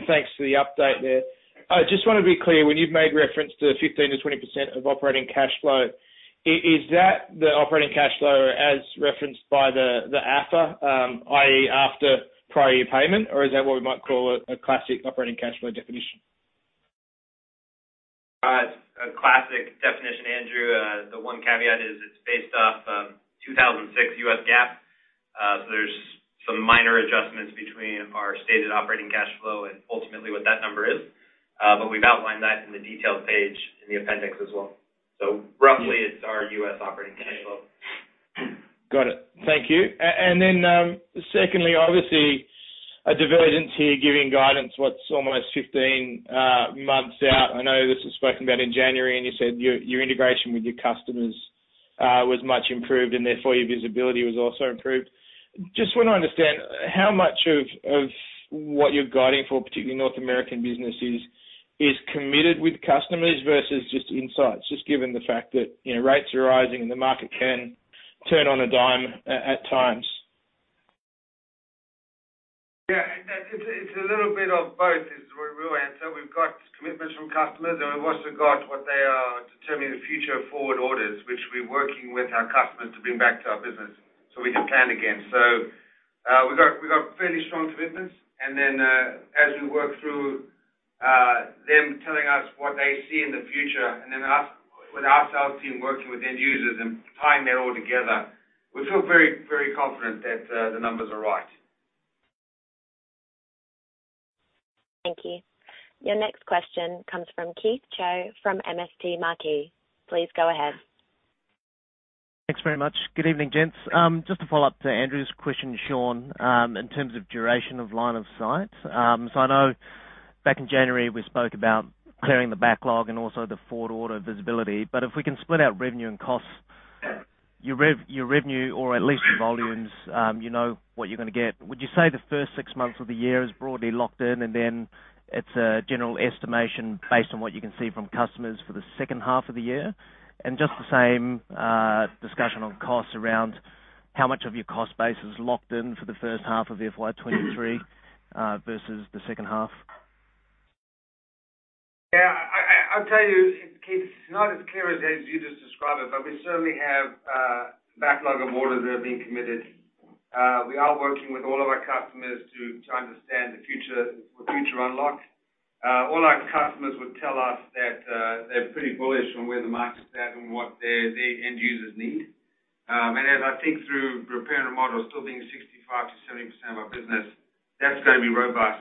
Thanks for the update there. I just wanna be clear, when you've made reference to 15%-20% of operating cash flow, is that the operating cash flow as referenced by the AFA, i.e., after prior year payment? Or is that what we might call a classic operating cash flow definition? A classic definition, Andrew. The one caveat is it's based off 2006 U.S. GAAP. So there's some minor adjustments between our stated operating cash flow and ultimately what that number is. But we've outlined that in the detail page in the appendix as well. So roughly, it's our U.S. operating cash flow. Got it. Thank you. And then, secondly, obviously, a divergence here, giving guidance, what's almost fifteen months out. I know this was spoken about in January, and you said your integration with your customers was much improved, and therefore, your visibility was also improved. Just wanna understand, how much of what you're guiding for, particularly North American businesses, is committed with customers versus just insights? Just given the fact that, you know, rates are rising, and the market can turn on a dime at times. Yeah, it's a little bit of both, is the real answer. We've got commitments from customers, and we've also got what they are determining the future of forward orders, which we're working with our customers to bring back to our business so we can plan again. So, we've got fairly strong commitments, and then, as we work through, them telling us what they see in the future, and then us, with our sales team working with end users and tying that all together, we feel very, very confident that the numbers are right. Thank you. Your next question comes from Keith Chau from MST Marquee. Please go ahead. Thanks very much. Good evening, gents. Just to follow-up to Andrew's question, Sean, in terms of duration of line of sight. So I know back in January, we spoke about clearing the backlog and also the forward order visibility. But if we can split out revenue and costs, your revenue or at least volumes, you know what you're gonna get. Would you say the first six months of the year is broadly locked in, and then it's a general estimation based on what you can see from customers for the second half of the year? And just the same discussion on costs around how much of your cost base is locked in for the first half of FY 2023, versus the second half. Yeah, I'll tell you, Keith, it's not as clear as you just described it, but we certainly have a backlog of orders that are being committed. We are working with all of our customers to understand the future unlock. All our customers would tell us that they're pretty bullish on where the market is at and what their end users need. And as I think through repair and remodel, still being 65% to 70% of our business, that's gonna be robust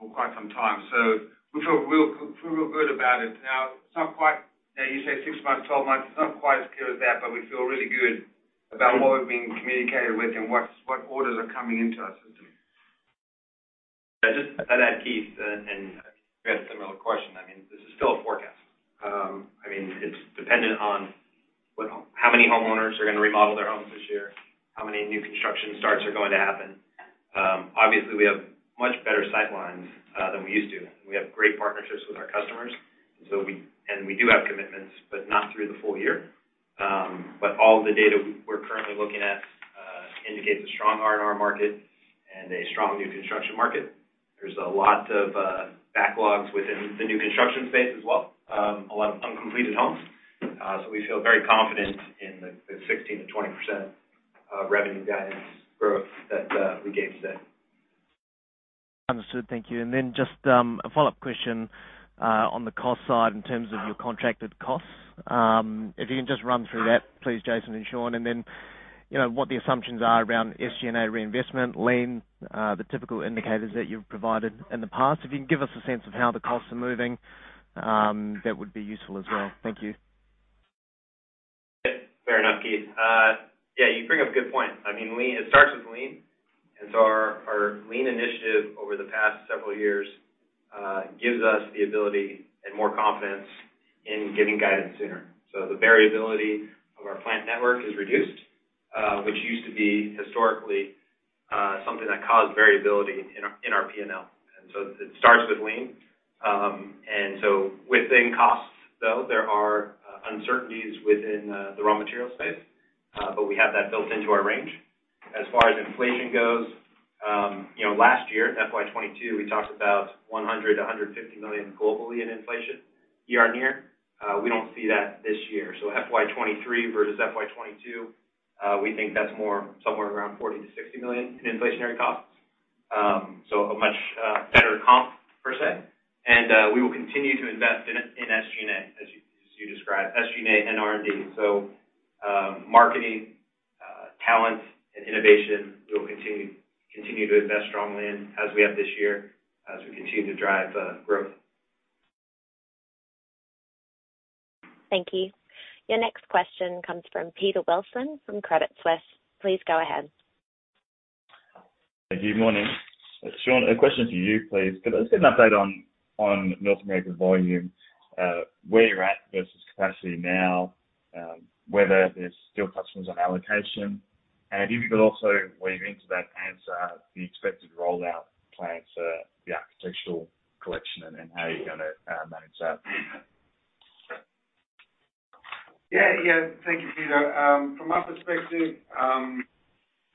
for quite some time. So we feel real good about it. Now, it's not quite, you say six months, twelve months, it's not quite as clear as that, but we feel really good about what we've been communicated with and what orders are coming into our system. I'll just add to that, Keith, and you had a similar question. I mean, this is still a forecast. I mean, it's dependent on what how many homeowners are gonna remodel their homes this year, how many new construction starts are going to happen. Obviously, we have much better sight lines than we used to. We have great partnerships with our customers, so we and we do have commitments, but not through the full year. But all the data we're currently looking at indicates a strong R&R market and a strong new construction market. There's a lot of backlogs within the new construction space as well, a lot of uncompleted homes. So we feel very confident in the 16%-20% revenue guidance growth that we gave today. Understood. Thank you. And then just, a follow-up question, on the cost side in terms of your contracted costs. If you can just run through that, please, Jason and Sean, and then, you know, what the assumptions are around SG&A reinvestment, lean, the typical indicators that you've provided in the past. If you can give us a sense of how the costs are moving, that would be useful as well. Thank you. Fair enough, Keith. Yeah, you bring up a good point. I mean, lean, it starts with lean, and so our lean initiative over the past several years gives us the ability and more confidence in giving guidance sooner. So the variability of our plant network is reduced, which used to be historically something that caused variability in our P&L. And so it starts with lean. And so within costs, though, there are uncertainties within the raw material space, but we have that built into our range. As far as inflation goes, you know, last year, FY 2022, we talked about $100 million-$150 million globally in inflation, year-on-year. We don't see that this year. So FY 2023 versus FY 2022-... We think that's more somewhere around $40 million-$60 million in inflationary costs, so a much better comp per se, and we will continue to invest in SG&A, as you described, SG&A and R&D, so marketing, talent, and innovation, we'll continue to invest strongly in, as we have this year, as we continue to drive growth. Thank you. Your next question comes from Peter Wilson from Credit Suisse. Please go ahead. Good morning. Sean, a question to you, please. Could I just get an update on North American volume, where you're at versus capacity now, whether there's still customers on allocation? And if you could also weave into that answer the expected rollout plans for the Architectural Collection, and how you're gonna manage that? Yeah. Yeah. Thank you, Peter. From our perspective,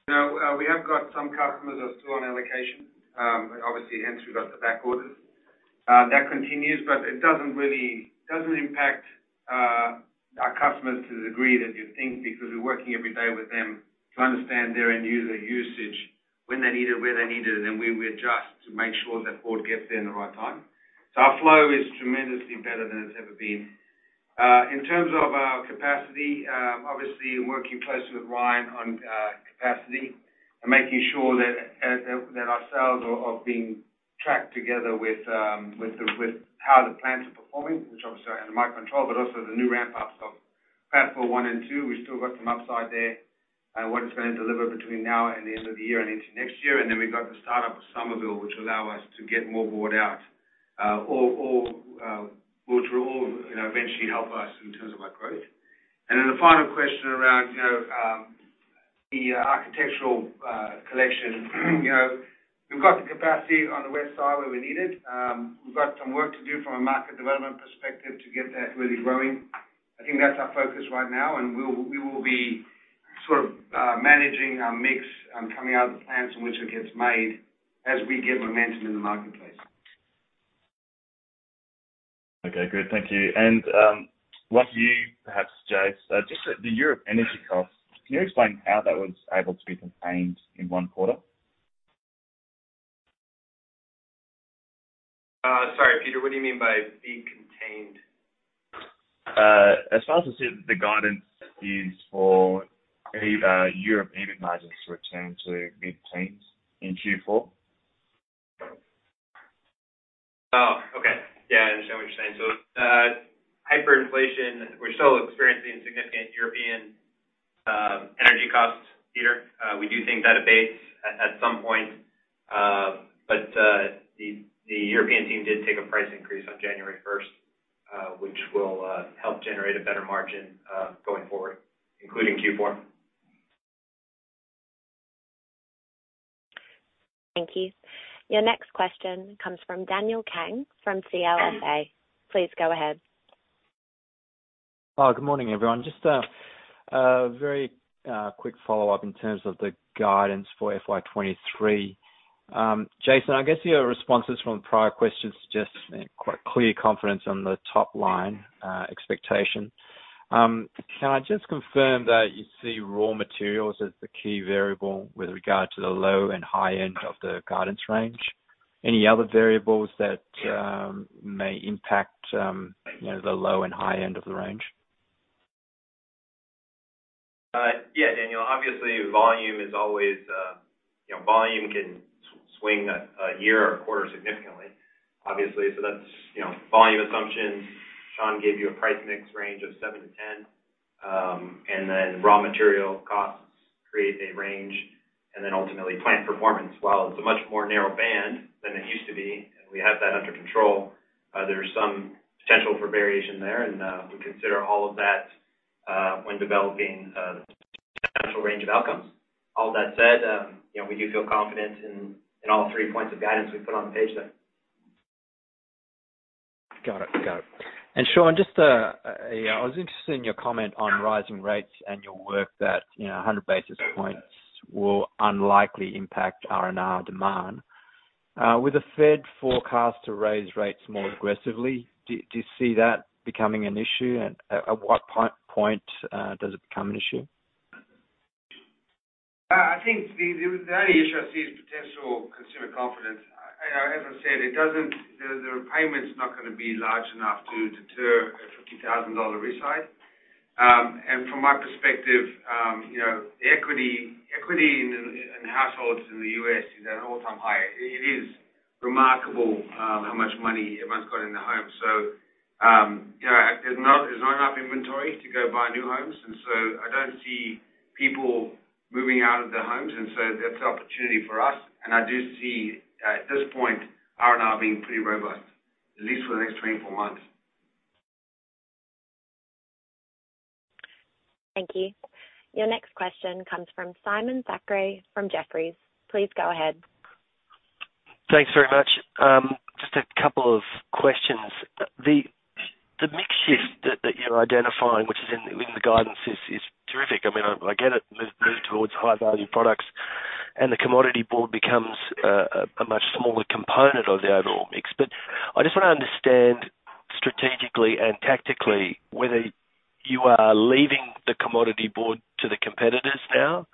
so, we have got some customers that are still on allocation. Obviously, hence we've got the back orders. That continues, but it doesn't really impact our customers to the degree that you think, because we're working every day with them to understand their end user usage, when they need it, where they need it, and then we adjust to make sure that board gets there in the right time. So our flow is tremendously better than it's ever been. In terms of our capacity, obviously, working closely with Ryan on capacity and making sure that our sales are being tracked together with how the plants are performing, which obviously are under my control, but also the new ramp-ups of platform one and two. We've still got some upside there, what it's gonna deliver between now and the end of the year and into next year. And then we've got the start of Summerville, which will allow us to get more board out, which will, you know, eventually help us in terms of our growth. And then the final question around, you know, the Architectural Collection. You know, we've got the capacity on the Westfield where we need it. We've got some work to do from a market development perspective to get that really growing. I think that's our focus right now, and we will be sort of managing our mix coming out of the plants in which it gets made as we get momentum in the marketplace. Okay, great. Thank you. And one for you, perhaps, Jason, just the Europe energy costs. Can you explain how that was able to be contained in one quarter? Sorry, Peter, what do you mean by be contained? As far as the guidance is for the Europe EBITDA margins to return to mid-teens in Q4. Oh, okay. Yeah, I understand what you're saying. So, hyperinflation, we're still experiencing significant European energy costs, Peter. We do think that abates at some point, but the European team did take a price increase on January 1st, which will help generate a better margin going forward, including Q4. Thank you. Your next question comes from Daniel Kang from CLSA. Please go ahead. Good morning, everyone. Just a very quick follow-up in terms of the guidance for FY 2023. Jason, I guess your responses from prior questions suggest quite clear confidence on the top line expectation. Can I just confirm that you see raw materials as the key variable with regard to the low and high end of the guidance range? Any other variables that may impact, you know, the low and high end of the range? Yeah, Daniel, obviously, volume is always, you know, volume can swing a year or a quarter significantly, obviously. So that's, you know, volume assumptions. Sean gave you a price mix range of seven to ten, and then raw material costs create a range, and then ultimately plant performance. While it's a much more narrow band than it used to be, and we have that under control, there's some potential for variation there, and we consider all of that when developing potential range of outcomes. All that said, you know, we do feel confident in all three points of guidance we put on the page there. Got it. Got it. And Sean, just a... I was interested in your comment on rising rates and your work that, you know, 100 basis points will unlikely impact R&R demand. With the Fed forecast to raise rates more aggressively, do you see that becoming an issue? And at what point does it become an issue? I think the only issue I see is potential consumer confidence. As I said, it doesn't—the repayment is not gonna be large enough to deter a $50,000 remodel. And from my perspective, you know, equity in households in the U.S. is at an all-time high. It is remarkable how much money everyone's got in their homes. So, you know, there's not enough inventory to go buy new homes, and so I don't see people moving out of their homes, and so that's an opportunity for us. I do see, at this point, R&R being pretty robust, at least for the next 24 months. Thank you. Your next question comes from Simon Thackray from Jefferies. Please go ahead. Thanks very much. Just a couple of questions. The mix shift that you're identifying, which is in the guidance is terrific. I mean, I get it, move towards high-value products. ...and the commodity board becomes a much smaller component of the overall mix, but I just want to understand strategically and tactically whether you are leaving the commodity board to the competitors now,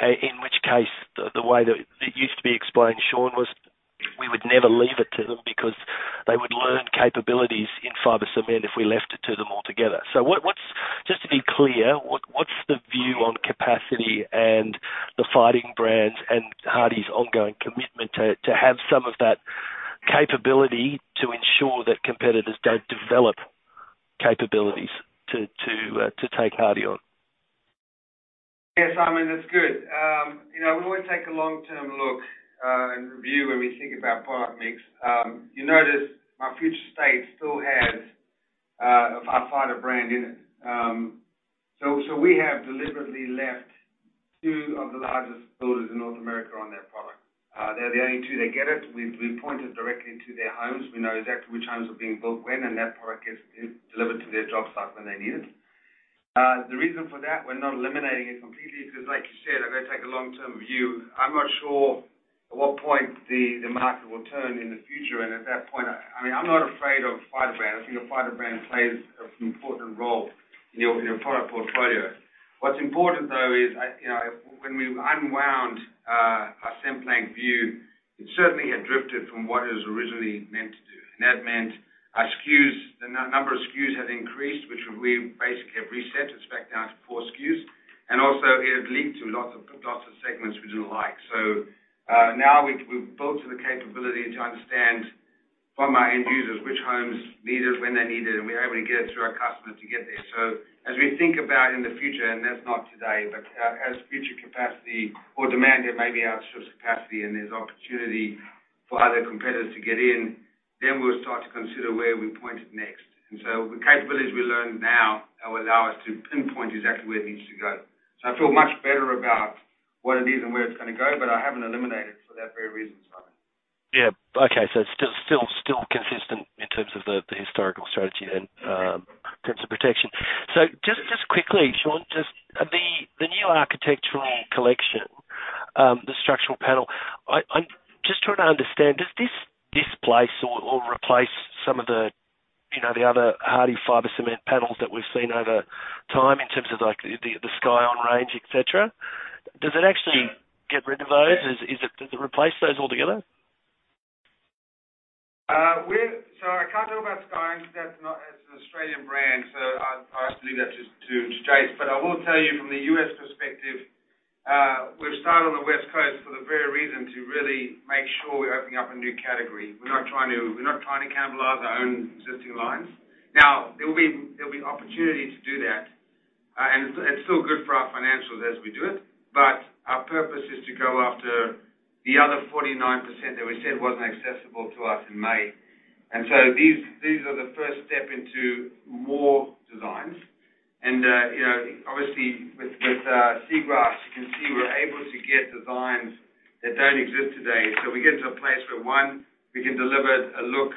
in which case, the way that it used to be explained, Sean, was we would never leave it to them because they would learn capabilities in fiber cement if we left it to them altogether, so, just to be clear, what is the view on capacity and the fighting brands and Hardie's ongoing commitment to have some of that capability to ensure that competitors don't develop capabilities to take Hardie on? Yeah, Simon, that's good. You know, we always take a long-term look, and review when we think about product mix. You notice our future state still has our fiber brand in it. So, we have deliberately left two of the largest builders in North America on that product. They're the only two that get it. We point it directly to their homes. We know exactly which homes are being built when, and that product gets delivered to their job site when they need it. The reason for that, we're not eliminating it completely, is because, like you said, I'm going to take a long-term view. I'm not sure at what point the market will turn in the future, and at that point, I mean, I'm not afraid of fiber brand. I think a fiber brand plays an important role in your product portfolio. What's important, though, is, you know, when we unwound our Cemplank view, it certainly had drifted from what it was originally meant to do, and that meant our SKUs, the number of SKUs had increased, which we basically have reset. It's back down to four SKUs, and also it had linked to lots of, lots of segments we didn't like. So, now we've built in the capability to understand from our end users, which homes need us, when they need it, and we are able to get it through our customers to get there. So as we think about in the future, and that's not today, but as future capacity or demand there may be outstrip capacity and there's opportunity for other competitors to get in, then we'll start to consider where we point it next. And so the capabilities we learn now will allow us to pinpoint exactly where it needs to go. So I feel much better about what it is and where it's gonna go, but I haven't eliminated it for that very reason, Simon. Yeah. Okay. So it's still consistent in terms of the historical strategy then in terms of protection. So just quickly, Sean, just the new Architectural Collection, the structural panel. I'm just trying to understand, does this displace or replace some of the, you know, the other Hardie fiber cement panels that we've seen over time in terms of, like, the Scyon range, et cetera? Does it actually get rid of those? Is it, does it replace those altogether? So I can't talk about Scyon. That's not, that's an Australian brand, so I believe that's just to chase. But I will tell you from the U.S. perspective, we've started on the West Coast for the very reason to really make sure we're opening up a new category. We're not trying to, we're not trying to cannibalize our own existing lines. Now, there will be, there will be opportunity to do that, and it's, it's still good for our financials as we do it, but our purpose is to go after the other 49% that we said wasn't accessible to us in May. These are the first step into more designs. You know, obviously, with Sea Grass, you can see we're able to get designs that don't exist today. So we get to a place where, one, we can deliver a look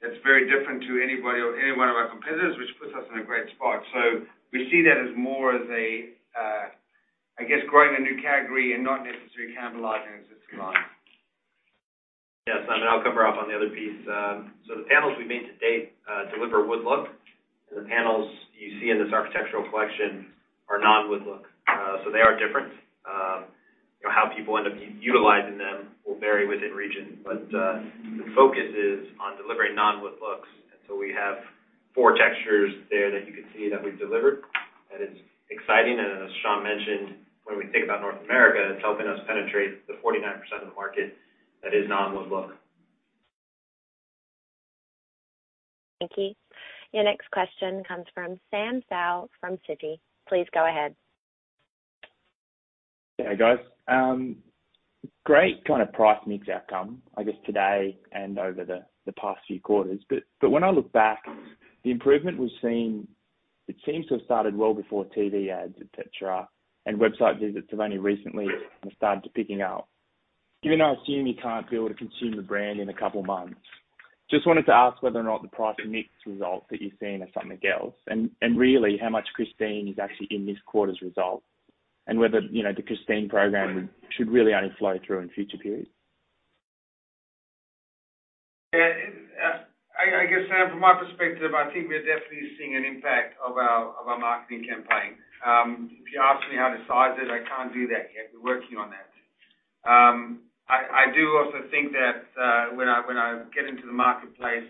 that's very different to anybody or any one of our competitors, which puts us in a great spot. So we see that as more as a, I guess, growing a new category and not necessarily cannibalizing an existing line. Yes, and I'll cover off on the other piece. So the panels we made to date deliver wood look, and the panels you see in this Architectural Collection are non-wood look. So they are different. How people end up utilizing them will vary within region, but the focus is on delivering non-wood looks. And so we have four textures there that you can see that we've delivered. That is exciting, and as Sean mentioned, when we think about North America, it's helping us penetrate the 49% of the market that is non-wood look. Thank you. Your next question comes from Sam Seow from Citi. Please go ahead. Hey, guys. Great kind of price mix outcome, I guess today and over the past few quarters. But when I look back, the improvement we've seen, it seems to have started well before TV ads, et cetera, and website visits have only recently started picking up. Given I assume you can't build a consumer brand in a couple of months, just wanted to ask whether or not the price mix result that you've seen is something else, and really how much Hardie is actually in this quarter's result, and whether, you know, the Hardie program should really only flow through in future periods. Yeah, I guess, Sam, from my perspective, I think we are definitely seeing an impact of our marketing campaign. If you ask me how to size it, I can't do that yet. We're working on that. I do also think that when I get into the marketplace,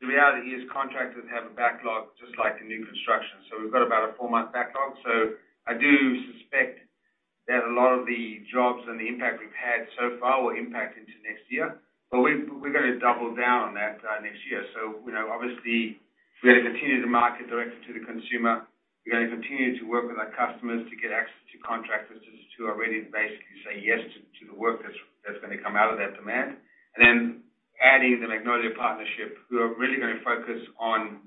the reality is contractors have a backlog, just like in new construction. So we've got about a four-month backlog. So I do suspect that a lot of the jobs and the impact we've had so far will impact into next year, but we're gonna double down on that next year. So you know, obviously, we're gonna continue to market directly to the consumer. We're gonna continue to work with our customers to get access to contractors who are ready to basically say yes to the work that's gonna come out of that demand. And then adding the Magnolia partnership, we are really gonna focus on,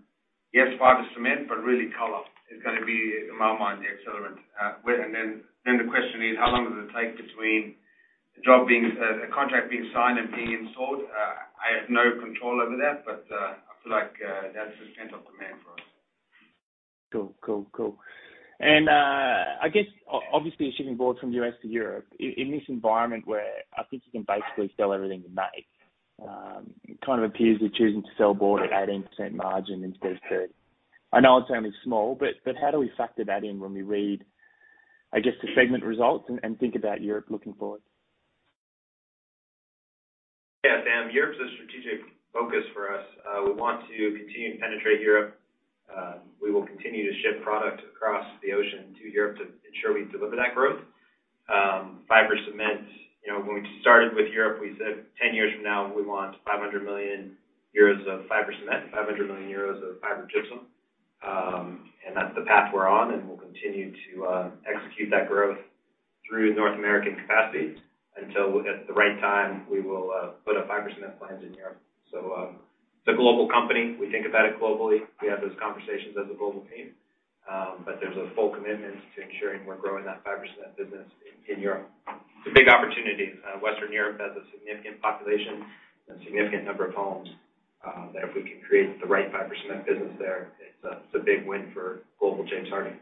yes, fiber cement, but really color is gonna be, in my mind, the accelerant. The question is: How long does it take between the job being a contract being signed and being installed? I have no control over that, but I feel like that's the extent of demand for us. ... Cool, cool, cool. And, obviously, you're shipping boards from the U.S. to Europe. In this environment where I think you can basically sell everything you make, it kind of appears you're choosing to sell board at 18% margin instead of 30%. I know it's only small, but how do we factor that in when we read, I guess, the segment results and think about Europe looking forward? Yeah, Sam, Europe's a strategic focus for us. We want to continue to penetrate Europe. We will continue to ship product across the ocean to Europe to ensure we deliver that growth. Fiber cement, you know, when we started with Europe, we said ten years from now, we want 500 million euros of fiber cement, 500 million euros of fiber gypsum, and that's the path we're on, and we'll continue to execute that growth through North American capacity until, at the right time, we will put up fiber cement plants in Europe, so it's a global company. We think about it globally. We have those conversations as a global team, but there's a full commitment to ensuring we're growing that fiber cement business in Europe. It's a big opportunity. Western Europe has a significant population and significant number of homes that if we can create the right fiber cement business there, it's a big win for global James Hardie.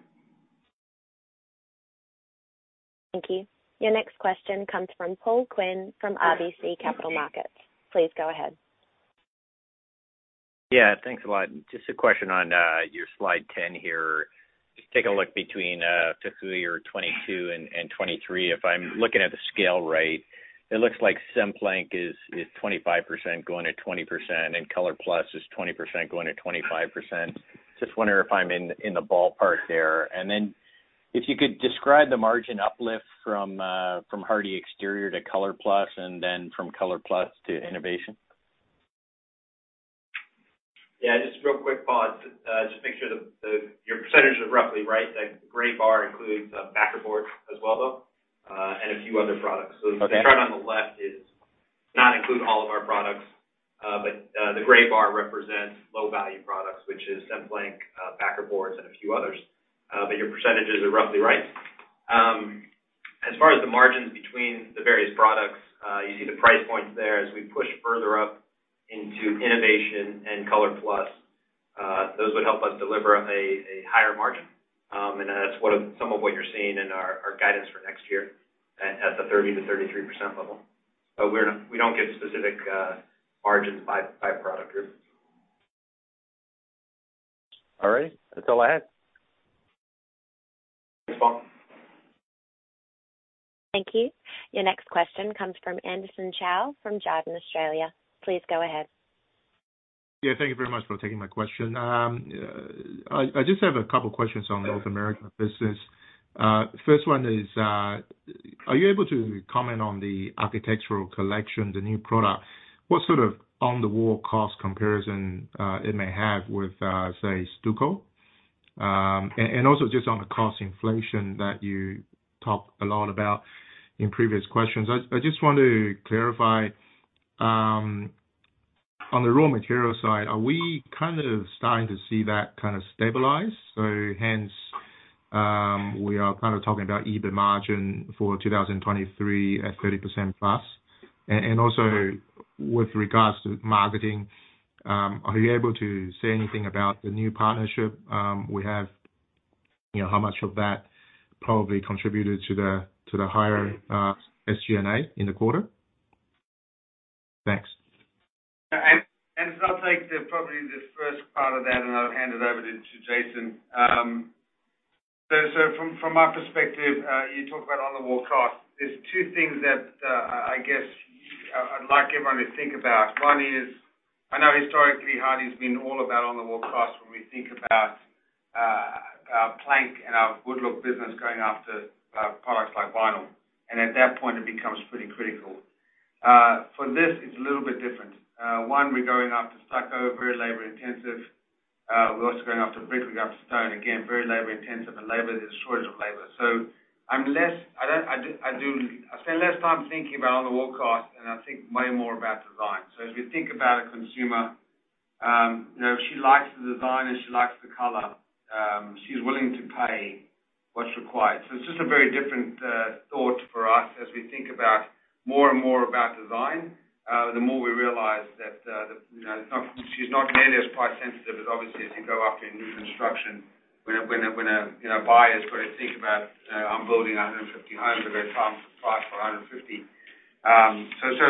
Thank you. Your next question comes from Paul Quinn, from RBC Capital Markets. Please go ahead. Yeah, thanks a lot. Just a question on your slide 10 here. Just take a look between fiscal year 2022 and 2023. If I'm looking at the scale right, it looks like Cemplank is 25% going to 20%, and ColorPlus is 20% going to 25%. Just wondering if I'm in the ballpark there. And then if you could describe the margin uplift from Hardie exterior to ColorPlus, and then from ColorPlus to Innovation. Yeah, just a real quick pause. Just make sure your percentages are roughly right. The gray bar includes backer boards as well, though, and a few other products. Okay. So the chart on the left does not include all of our products, but the gray bar represents low-value products, which is Cemplank, backer boards, and a few others. But your percentages are roughly right. As far as the margins between the various products, you see the price points there. As we push further up into Innovation and ColorPlus, those would help us deliver a higher margin. And that's some of what you're seeing in our guidance for next year at the 30%-33% level. But we don't give specific margins by product group. All right. That's all I had. Thanks, Paul. Thank you. Your next question comes from Anderson Chow, from Jarden, Australia. Please go ahead. Yeah, thank you very much for taking my question. I just have a couple questions on North America business. First one is, are you able to comment on the Architectural Collection, the new product? What sort of on the wall cost comparison it may have with, say, stucco? And also just on the cost inflation that you talked a lot about in previous questions. I just want to clarify, on the raw material side, are we kind of starting to see that kind of stabilize? So hence, we are kind of talking about EBIT margin for 2023 at 30%+. And also with regards to marketing, are you able to say anything about the new partnership we have? You know, how much of that probably contributed to the, to the higher, SG&A in the quarter? Thanks. I'll take probably the first part of that, and I'll hand it over to Jason. So from my perspective, you talk about on the wall cost. There's two things that I guess I'd like everyone to think about. One is, I know historically, Hardie's been all about on the wall cost when we think about our plank and our wood look business going after products like vinyl, and at that point it becomes pretty critical. For this, it's a little bit different. One, we're going after stucco, very labor intensive. We're also going after brick, we've got stone. Again, very labor intensive, and labor, there's a shortage of labor. So I spend less time thinking about on the wall cost and I think way more about design. So as we think about a consumer, you know, she likes the design and she likes the color, she's willing to pay what's required. So it's just a very different thought for us as we think about more and more about design. The more we realize that, the, you know, she's not nearly as price sensitive as obviously as you go up in new construction, when a buyer you know, buyer's got to think about, I'm building a hundred and fifty homes, I've got to find the price for a hundred and fifty. So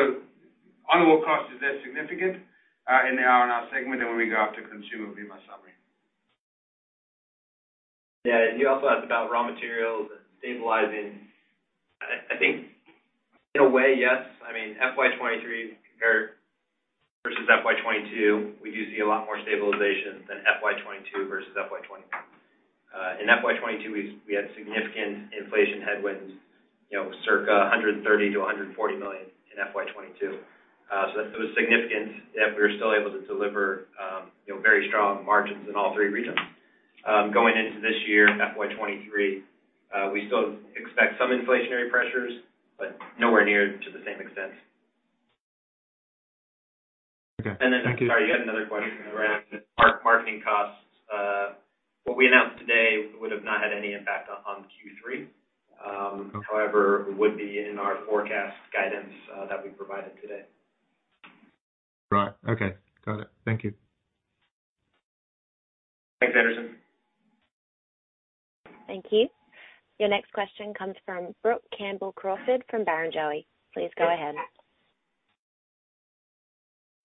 on the wall cost is less significant in the R&R segment than when we go out to consumer, would be my summary. Yeah, and you also asked about raw materials and stabilizing. I think in a way, yes. I mean, FY 2023 compared versus FY 2022, we do see a lot more stabilization than FY 2022 versus FY 2021. In FY 2022, we had significant inflation headwinds, you know, circa $130 million-$140 million in FY 2022. So that was significant, yet we were still able to deliver, you know, very strong margins in all three regions. Going into this year, FY 2023, we still expect some inflationary pressures, but nowhere near to the same extent. Okay. Thank you. And then, sorry, you had another question around our marketing costs. What we announced today would have not had any impact on Q3. Okay. However, it would be in our forecast guidance that we provided today.... Right. Okay, got it. Thank you. Thanks, Anderson. Thank you. Your next question comes from Brook Campbell-Crawford from Barrenjoey. Please go ahead.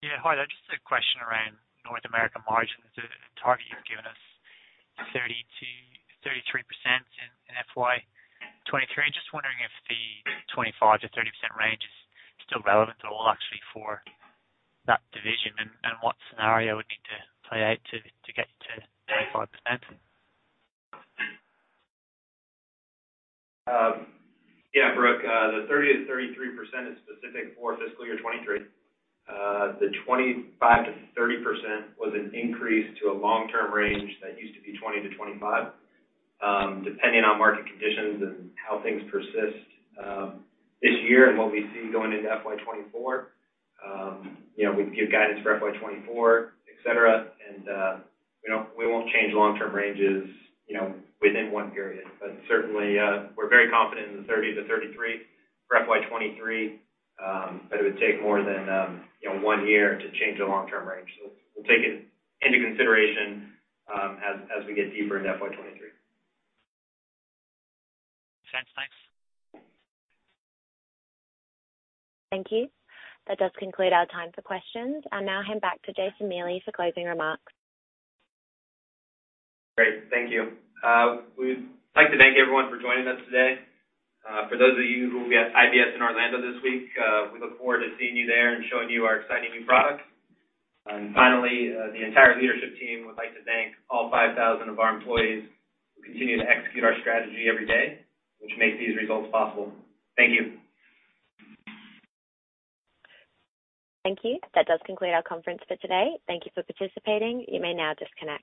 Yeah, hi there. Just a question around North American margins. The target you've given us, 30%-33% in FY 2023. Just wondering if the 25%-30% range is still relevant at all, actually, for that division, and what scenario would need to play out to get you to 25%? Yeah, Brook, the 30%-33% is specific for fiscal year 2023. The 25%-30% was an increase to a long-term range that used to be 20%-25%. Depending on market conditions and how things persist, this year and what we see going into FY 2024, you know, we give guidance for FY 2024, et cetera, and we won't change long-term ranges, you know, within one period. But certainly, we're very confident in the 30%-33% for FY 2023, but it would take more than, you know, one year to change the long-term range. So we'll take it into consideration, as we get deeper into FY 2023. Thanks. Thanks. Thank you. That does conclude our time for questions. I now hand back to Jason Miele for closing remarks. Great, thank you. We'd like to thank everyone for joining us today. For those of you who will be at IBS in Orlando this week, we look forward to seeing you there and showing you our exciting new products. And finally, the entire leadership team would like to thank all five thousand of our employees who continue to execute our strategy every day, which make these results possible. Thank you. Thank you. That does conclude our conference for today. Thank you for participating. You may now disconnect.